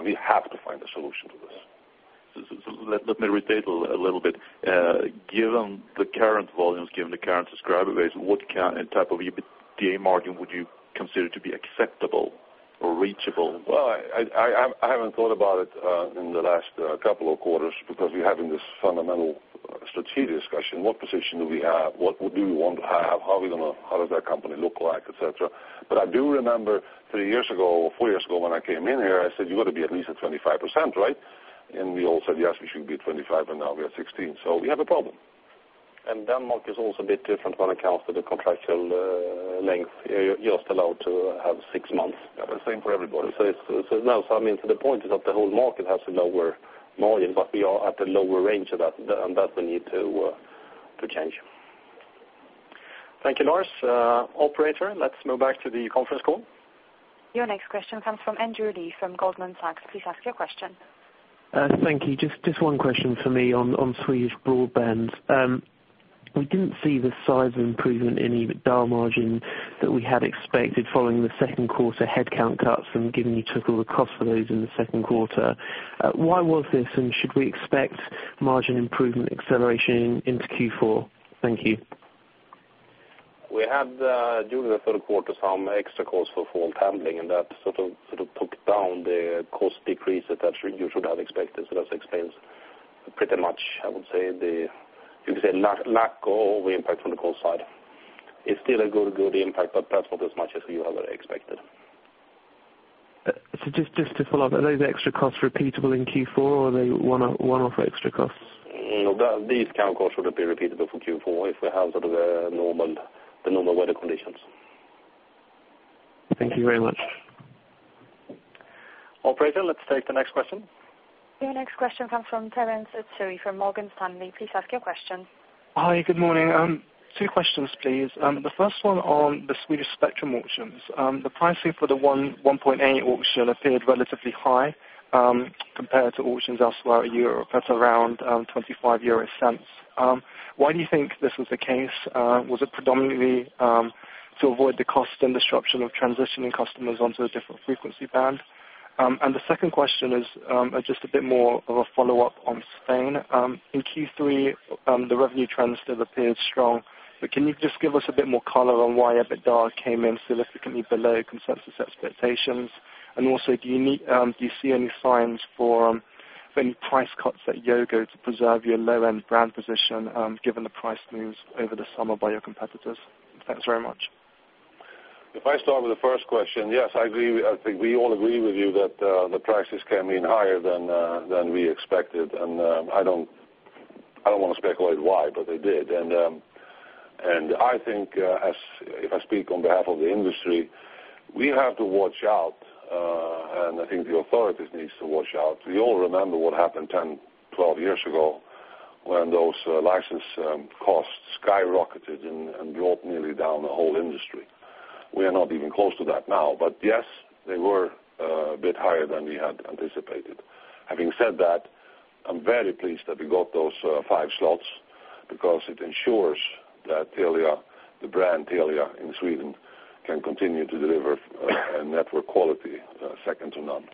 [SPEAKER 2] We have to find a solution to this. Let me repeat a little bit. Given the current volumes, given the current subscriber base, what type of EBITDA margin would you consider to be acceptable or reachable? I haven't thought about it in the last couple of quarters because we're having this fundamental strategic discussion. What position do we have? What do you want to have? How are we going to, how does that company look like, et cetera? I do remember three years ago or four years ago when I came in here, I said, "You got to be at least at 25%, right?" We all said, "Yes, we should be at 25%," and now we're at 16%. We have a problem.
[SPEAKER 3] Denmark is also a bit different when it comes to the contractual length. You're just allowed to have six months. Yeah, same for everybody. The point is that the whole market has a lower margin, but we are at a lower range than that, and that we need to change.
[SPEAKER 1] Thank you, Lars. Operator, let's move back to the conference call.
[SPEAKER 7] Your next question comes from Andrew Lee from Goldman Sachs. Please ask your question.
[SPEAKER 12] Thank you. Just one question for me on Swedish broadband. We didn't see the size of improvement in EBITDA margin that we had expected following the second quarter headcount cuts, given you took all the costs for those in the second quarter. Why was this? Should we expect margin improvement acceleration into Q4? Thank you.
[SPEAKER 2] During the third quarter, we had some extra costs for phone tending, and that took down the cost decreases that you should have expected. That explains pretty much, I would say, the lack of impact from the cost side. It's still a good, good impact, but not as much as you have expected.
[SPEAKER 12] Are those extra costs repeatable in Q4, or are they one-off extra costs?
[SPEAKER 2] No, these kind of costs would have been repeatable for Q4 if we had the normal weather conditions.
[SPEAKER 12] Thank you very much.
[SPEAKER 1] Operator, let's take the next question.
[SPEAKER 7] Your next question comes from Terence Tsui from Morgan Stanley. Please ask your question.
[SPEAKER 13] Hi. Good morning. Two questions, please. The first one on the Swedish spectrum auctions. The pricing for the 1.8 auction appeared relatively high compared to auctions elsewhere in Europe. That's around 0.25. Why do you think this was the case? Was it predominantly to avoid the cost and disruption of transitioning customers onto a different frequency band? The second question is just a bit more of a follow-up on Spain. In Q3, the revenue trends still appeared strong. Can you just give us a bit more color on why EBITDA came in significantly below consensus expectations? Also, do you see any signs for any price cuts at Yoigo to preserve your low-end brand position given the price moves over the summer by your competitors? Thanks very much.
[SPEAKER 2] If I start with the first question, yes, I agree. I think we all agree with you that the prices came in higher than we expected. I don't want to speculate why, but they did. I think, if I speak on behalf of the industry, we have to watch out. I think the authorities need to watch out. We all remember what happened 10, 12 years ago when those license costs skyrocketed and brought nearly down the whole industry. We are not even close to that now, but yes, they were a bit higher than we had anticipated. Having said that, I'm very pleased that we got those five slots because it ensures that Telia, the brand Telia in Sweden, can continue to deliver a network quality second to none.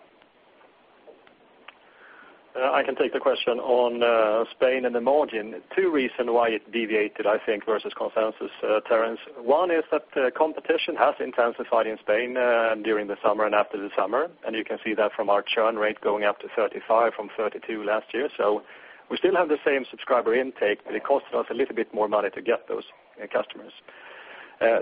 [SPEAKER 3] I can take the question on Spain and the margin. Two reasons why it deviated, I think, versus consensus, Terence. One is that the competition has intensified in Spain during the summer and after the summer. You can see that from our churn rate going up to 35% from 32% last year. We still have the same subscriber intake, but it cost us a little bit more money to get those customers.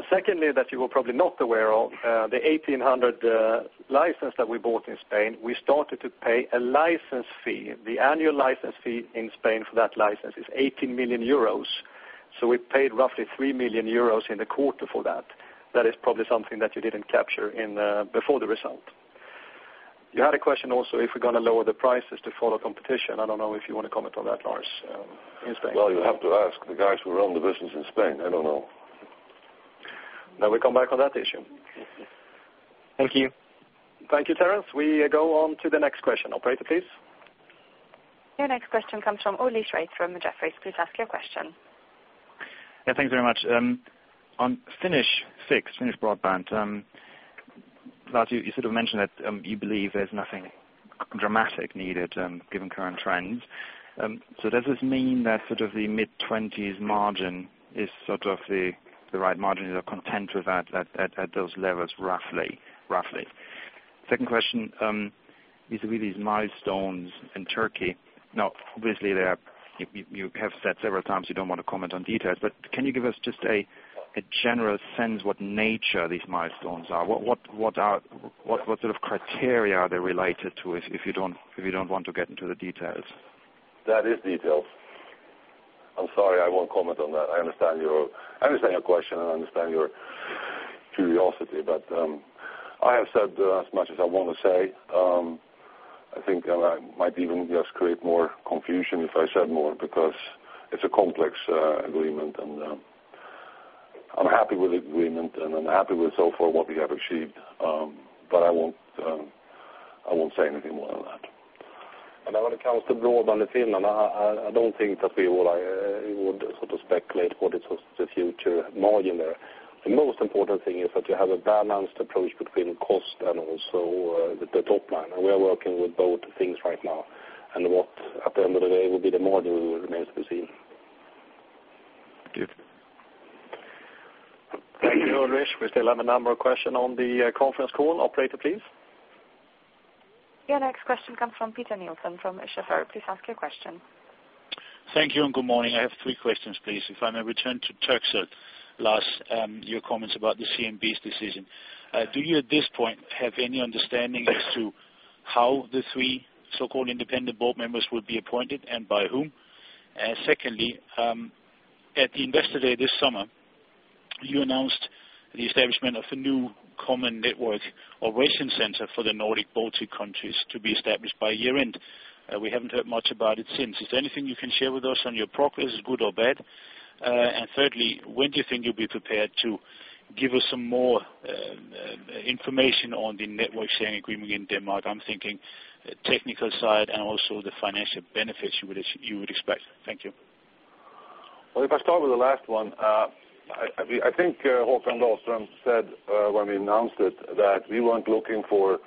[SPEAKER 3] Secondly, that you were probably not aware of, the 1,800 license that we bought in Spain, we started to pay a license fee. The annual license fee in Spain for that license is 18 million euros. We paid roughly 3 million euros in the quarter for that. That is probably something that you didn't capture before the result. You had a question also if we're going to lower the prices to follow competition. I don't know if you want to comment on that, Lars, in Spain.
[SPEAKER 2] You have to ask the guys who run the business in Spain. I don't know.
[SPEAKER 3] Now we come back on that issue.
[SPEAKER 13] Thank you.
[SPEAKER 1] Thank you, Terence. We go on to the next question. Operator, please.
[SPEAKER 7] Your next question comes from [Ulli Schreitz] from Jefferies. Please ask your question.
[SPEAKER 14] Yeah, thanks very much. On Finnish broadband, Lars, you sort of mentioned that you believe there's nothing dramatic needed given current trends. Does this mean that sort of the mid-20s margin is the right margin? You're content with that at those levels roughly? Second question, vis-à-vis these milestones in Turkey. Obviously, you have said several times you don't want to comment on details, but can you give us just a general sense of what nature these milestones are? What sort of criteria are they related to if you don't want to get into the details?
[SPEAKER 2] That is detailed. I'm sorry. I won't comment on that. I understand your question, and I understand your curiosity, but I have said as much as I want to say. I think I might even just create more confusion if I said more because it's a complex agreement. I'm happy with the agreement, and I'm happy with so far what we have achieved. I won't say anything more than that.
[SPEAKER 3] I want to come to broadband in Finland. I don't think that we would speculate what is the future margin there. The most important thing is that you have a balanced approach between cost and also the top line. We are working with both things right now. What at the end of the day will be the margin will remain to be seen.
[SPEAKER 1] Thank you. All right. We still have a number of questions on the conference call. Operator, please.
[SPEAKER 7] Your next question comes from Peter Nielsen from [SEB]. Please ask your question.
[SPEAKER 15] Thank you and good morning. I have three questions, please. If I may return to Turkcell, Lars, your comments about the CMB's decision. Do you at this point have any understanding as to how the three so-called independent board members will be appointed and by whom? Secondly, at the Investor Day this summer, you announced the establishment of a new common network operation center for the Nordic Baltic countries to be established by year-end. We haven't heard much about it since. Is there anything you can share with us on your progress, good or bad? Thirdly, when do you think you'll be prepared to give us some more information on the network-sharing agreement in Denmark? I'm thinking the technical side and also the financial benefits you would expect. Thank you.
[SPEAKER 2] If I start with the last one, I think Håkan Dalsland said when we announced it that we weren't looking for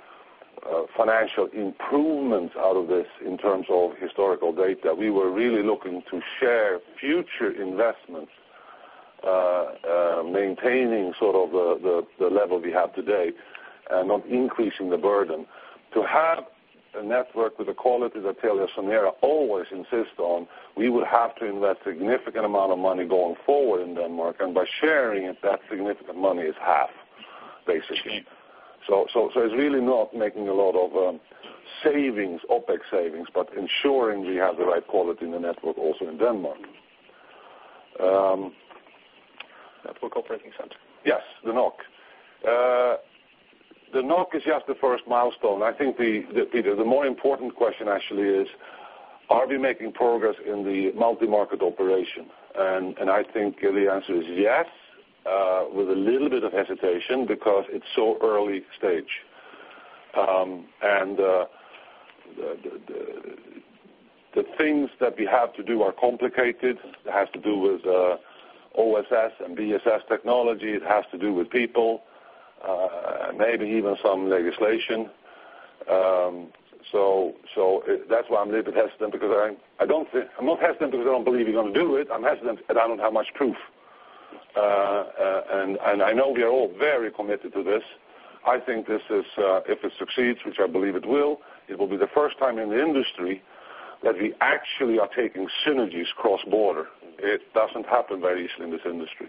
[SPEAKER 2] financial improvements out of this in terms of historical data. We were really looking to share future investments, maintaining sort of the level we have today and not increasing the burden. To have a network with the quality that Telia and Telenor always insist on, we would have to invest a significant amount of money going forward in Denmark. By sharing it, that significant money is half, basically. It's really not making a lot of OpEx savings, but ensuring we have the right quality in the network also in Denmark.
[SPEAKER 3] Network operating center?
[SPEAKER 2] Yes, the NOC. The NOC is just the first milestone. I think the more important question, actually, is are we making progress in the multi-market operation? I think the answer is yes, with a little bit of hesitation because it's so early stage. The things that we have to do are complicated. It has to do with OSS and BSS technology. It has to do with people, maybe even some legislation. That's why I'm a little bit hesitant because I don't think I'm not hesitant because I don't believe we're going to do it. I'm hesitant that I don't have much proof. I know we are all very committed to this. I think this is, if it succeeds, which I believe it will, it will be the first time in the industry that we actually are taking synergies cross-border. It doesn't happen very easily in this industry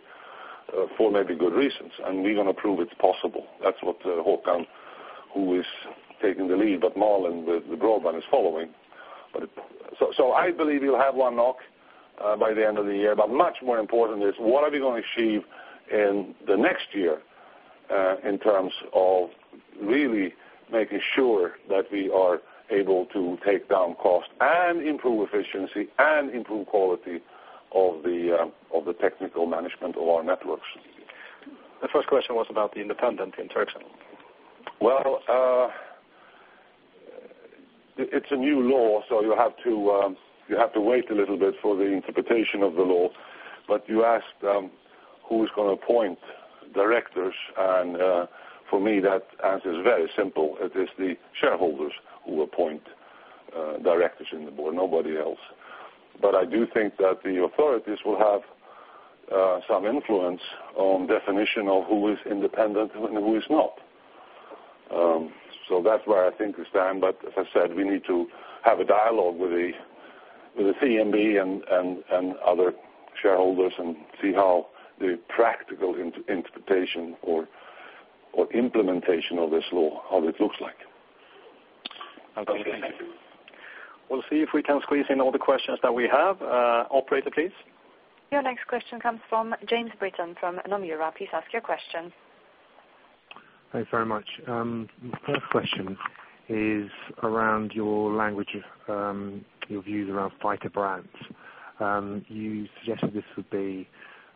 [SPEAKER 2] for maybe good reasons. We're going to prove it's possible. That's what Håkan, who is taking the lead, but Marlen with the broadband is following. I believe we'll have one NOC by the end of the year. Much more important is what are we going to achieve in the next year in terms of really making sure that we are able to take down cost and improve efficiency and improve quality of the technical management of our networks?
[SPEAKER 15] The first question was about the independent in Turkcell.
[SPEAKER 2] It is a new law, so you have to wait a little bit for the interpretation of the law. You asked who is going to appoint directors, and for me, that answer is very simple. It is the shareholders who appoint directors in the board, nobody else. I do think that the authorities will have some influence on the definition of who is independent and who is not. That is where I think we stand. As I said, we need to have a dialogue with the CMB and other shareholders and see how the practical interpretation or implementation of this law looks like.
[SPEAKER 15] Okay, thank you.
[SPEAKER 1] We'll see if we can squeeze in all the questions that we have. Operator, please.
[SPEAKER 7] Your next question comes from James Britton from Nomura. Please ask your question.
[SPEAKER 16] Thanks very much. First question is around your language of your views around fighting brands. You suggested this would be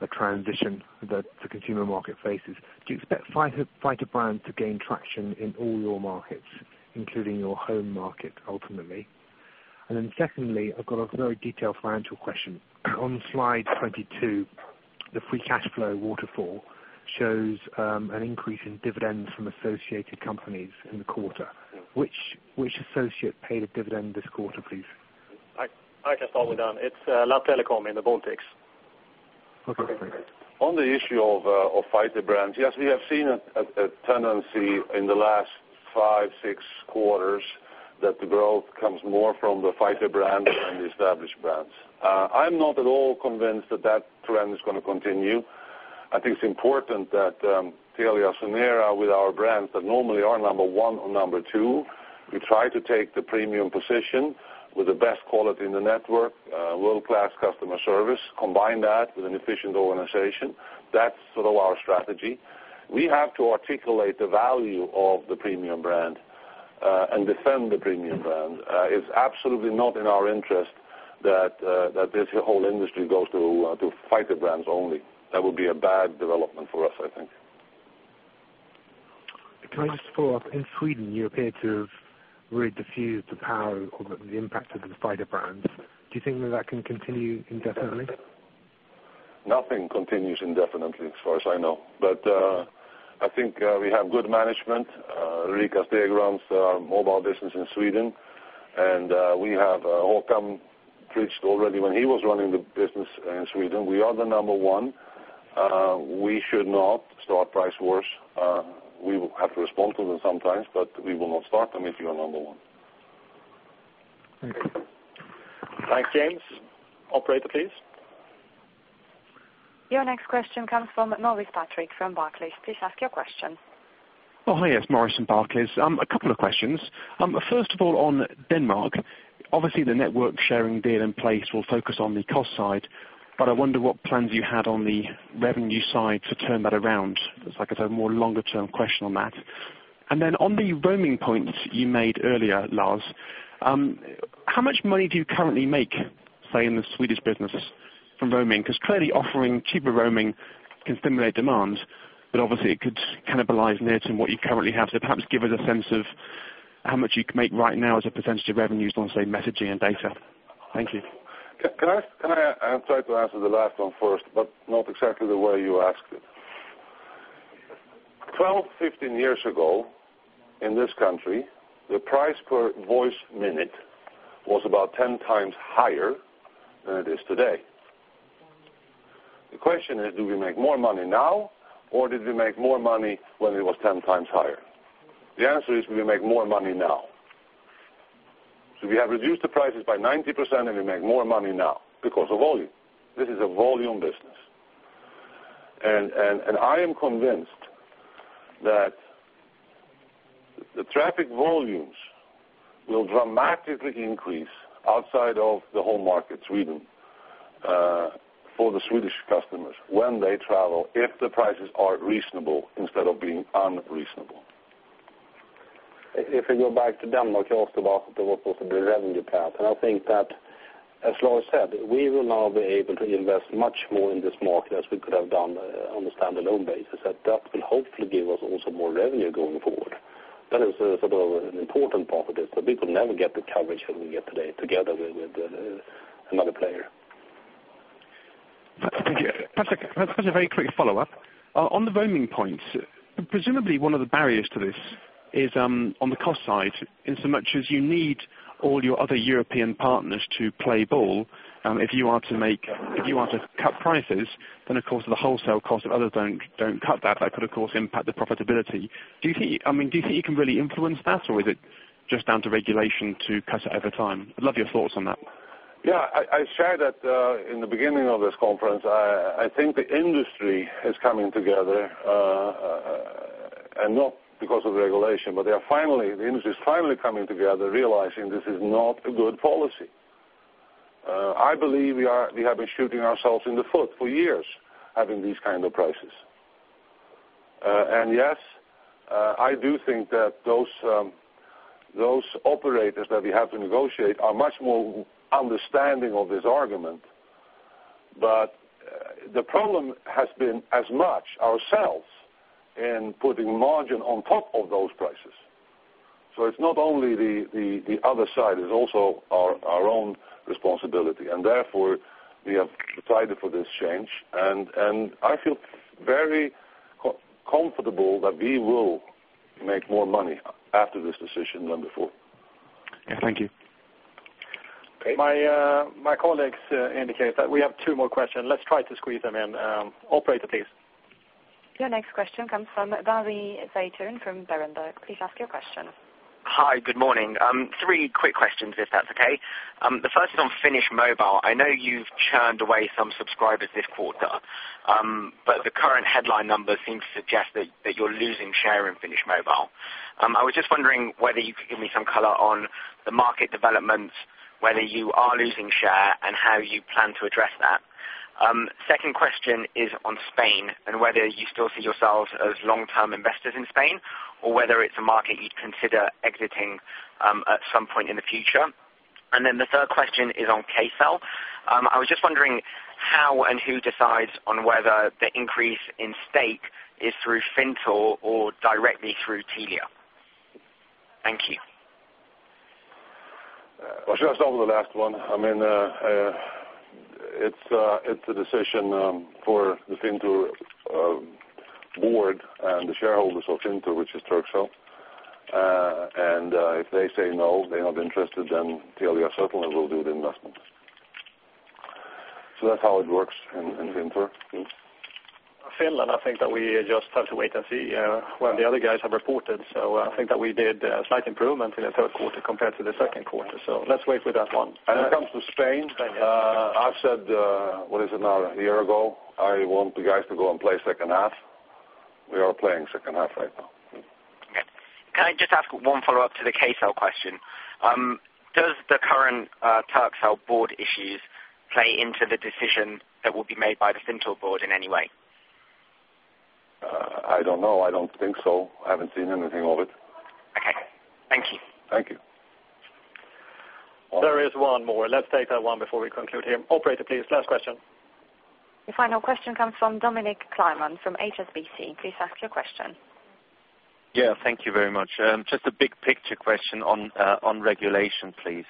[SPEAKER 16] a transition that the consumer market faces. Do you expect fighting brands to gain traction in all your markets, including your home market, ultimately? Secondly, I've got a very detailed financial question. On slide 22, the free cash flow waterfall shows an increase in dividends from associated companies in the quarter. Which associate paid a dividend this quarter, please?
[SPEAKER 1] I can follow it on. It's telecom in the Baltics.
[SPEAKER 16] Okay.
[SPEAKER 2] On the issue of fighting brands, yes, we have seen a tendency in the last five, six quarters that the growth comes more from the fighting brands than the established brands. I'm not at all convinced that that trend is going to continue. I think it's important that TeliaSonera with our brand that normally are number one or number two, we try to take the premium position with the best quality in the network, world-class customer service, combine that with an efficient organization. That's sort of our strategy. We have to articulate the value of the premium brand and defend the premium brand. It's absolutely not in our interest that this whole industry goes to fighting brands only. That would be a bad development for us, I think.
[SPEAKER 16] Terence, follow up. In Sweden, you appear to have really diffused the power of the impact of the fighting brands. Do you think that that can continue indefinitely?
[SPEAKER 2] Nothing continues indefinitely, as far as I know. I think we have good management. Rikard Steiber runs the mobile business in Sweden, and we have Håkan preached already when he was running the business in Sweden. We are the number one. We should not start price wars. We will have to respond to them sometimes, but we will not start them if you are number one.
[SPEAKER 1] Thank you. Thanks, James. Operator, please.
[SPEAKER 7] Your next question comes from [Norris Patrick] from Barclays. Please ask your question.
[SPEAKER 17] Oh, hi. Yes, Morris from Barclays. A couple of questions. First of all, on Denmark, obviously, the network-sharing agreement in place will focus on the cost side. I wonder what plans you had on the revenue side to turn that around. It's a more longer-term question on that. On the roaming points you made earlier, Lars, how much money do you currently make, say, in the Swedish businesses from roaming? Clearly, offering cheaper roaming can stimulate demand. Obviously, it could cannibalize near to what you currently have. Perhaps give us a sense of how much you can make right now as a percent of revenues on, say, messaging and data. Thank you.
[SPEAKER 2] Can I try to answer the last one first, but not exactly the way you asked it? 12 years, 15 years ago, in this country, the price per voice minute was about 10x higher than it is today. The question is, do we make more money now, or did we make more money when it was 10x higher? The answer is we make more money now. We have reduced the prices by 90%, and we make more money now because of volume. This is a volume business. I am convinced that the traffic volumes will dramatically increase outside of the whole market, Sweden, for the Swedish customers when they travel if the prices are reasonable instead of being unreasonable.
[SPEAKER 3] If we go back to Denmark, you also talked about the revenue path. I think that, as Lars said, we will now be able to invest much more in this market as we could have done on the stand-alone basis. That will hopefully give us also more revenue going forward. That is an important part of this. We will never get the coverage that we get today together with another player.
[SPEAKER 17] Perhaps a very quick follow-up. On the roaming points, presumably, one of the barriers to this is on the cost side, in so much as you need all your other European partners to play ball. If you are to make, if you are to cut prices, then, of course, the wholesale costs of others don't cut that. That could, of course, impact the profitability. Do you think you can really influence that, or is it just down to regulation to cut it over time? I'd love your thoughts on that.
[SPEAKER 2] Yeah. I shared that in the beginning of this conference. I think the industry is coming together, not because of the regulation, but they are finally, the industry is finally coming together, realizing this is not a good policy. I believe we have been shooting ourselves in the foot for years having these kinds of prices. Yes, I do think that those operators that we have to negotiate are much more understanding of this argument. The problem has been as much ourselves in putting margin on top of those prices. It's not only the other side. It's also our own responsibility. Therefore, we have decided for this change. I feel very comfortable that we will make more money after this decision than before.
[SPEAKER 17] Thank you.
[SPEAKER 1] My colleagues indicated that we have two more questions. Let's try to squeeze them in. Operator, please.
[SPEAKER 7] Your next question comes from Dani Zeitun from Berunder. Please ask your question.
[SPEAKER 18] Hi. Good morning. Three quick questions, if that's okay. The first is on Finnish Mobile. I know you've churned away some subscribers this quarter, but the current headline numbers seem to suggest that you're losing share in Finnish Mobile. I was just wondering whether you could give me some color on the market developments, whether you are losing share, and how you plan to address that. The second question is on Spain and whether you still see yourselves as long-term investors in Spain or whether it's a market you'd consider exiting at some point in the future. The third question is on Kcell. I was just wondering how and who decides on whether the increase in stake is through Finto or directly through Telia. Thank you.
[SPEAKER 2] Should I start with the last one? I mean, it's a decision for the Fintur board and the shareholders of Fintur, which is Turkcell. If they say no, they're not interested, then Telia certainly will do the investment. That's how it works in Fintur.
[SPEAKER 3] In Finland, I think that we just have to wait and see when the other guys have reported. I think that we did a slight improvement in the third quarter compared to the second quarter. Let's wait with that one.
[SPEAKER 2] When it comes to Spain, I've said, what is it now, a year ago, I want the guys to go and play second half. We are playing second half right now.
[SPEAKER 18] Okay. Can I just ask one follow-up to the Kcell question? Does the current Turkcell board issues play into the decision that will be made by the Finto board in any way?
[SPEAKER 2] I don't know. I don't think so. I haven't seen anything of it.
[SPEAKER 18] Okay. Thank you.
[SPEAKER 2] Thank you.
[SPEAKER 1] There is one more. Let's take that one before we conclude here. Operator, please. Last question.
[SPEAKER 7] Your final question comes from Dominic Kleiman from HSBC. Please ask your question.
[SPEAKER 19] Yeah, thank you very much. Just a big picture question on regulation, please.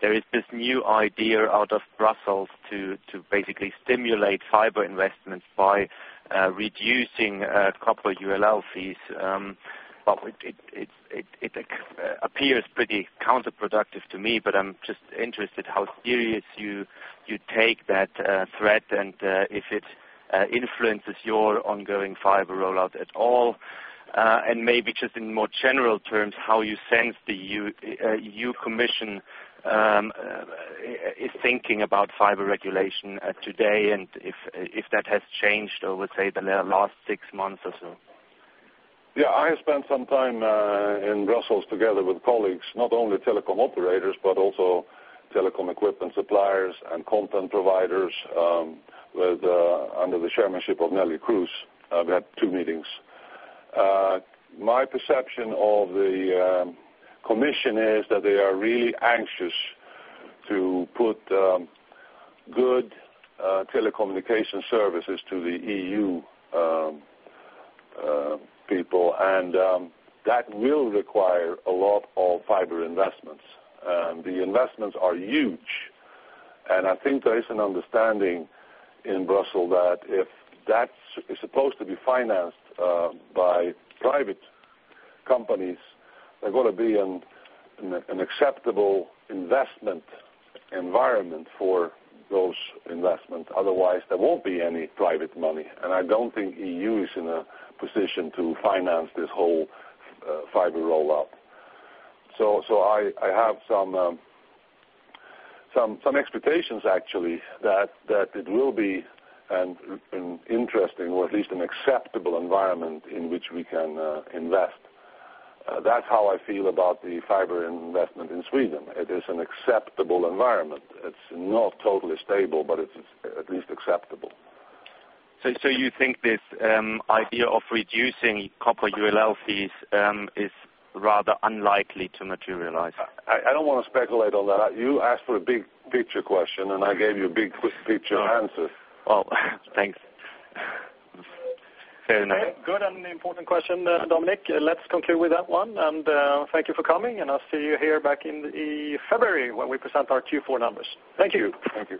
[SPEAKER 19] There is this new idea out of Brussels to basically stimulate fiber investments by reducing copper ULL fees. It appears pretty counterproductive to me, but I'm just interested in how serious you take that threat and if it influences your ongoing fiber rollout. Maybe just in more general terms, how you sense the E.U., E.U. Commission, is thinking about fiber regulation today, and if that has changed, I would say, in the last six months or so.
[SPEAKER 2] Yeah, I have spent some time in Brussels together with colleagues, not only telecom operators but also telecom equipment suppliers and content providers, under the chairmanship of Neelie Kroes. I've had two meetings. My perception of the Commission is that they are really anxious to put good telecommunication services to the EU people, and that will require a lot of fiber investments. The investments are huge. I think there is an understanding in Brussels that if that is supposed to be financed by private companies, there's got to be an acceptable investment environment for those investments. Otherwise, there won't be any private money. I don't think the EU is in a position to finance this whole fiber rollout. I have some expectations, actually, that it will be an interesting or at least an acceptable environment in which we can invest. That's how I feel about the fiber investment in Sweden. It is an acceptable environment. It's not totally stable, but it's at least acceptable.
[SPEAKER 11] Do you think this idea of reducing copper ULL fees is rather unlikely to materialize?
[SPEAKER 2] I don't want to speculate on that. You asked for a big-picture question, and I gave you a big-picture answer.
[SPEAKER 19] Thanks. Very nice.
[SPEAKER 3] Good and important question, Dominic. Let's conclude with that one. Thank you for coming, and I'll see you here back in February when we present our Q4 numbers. Thank you.
[SPEAKER 2] Thank you.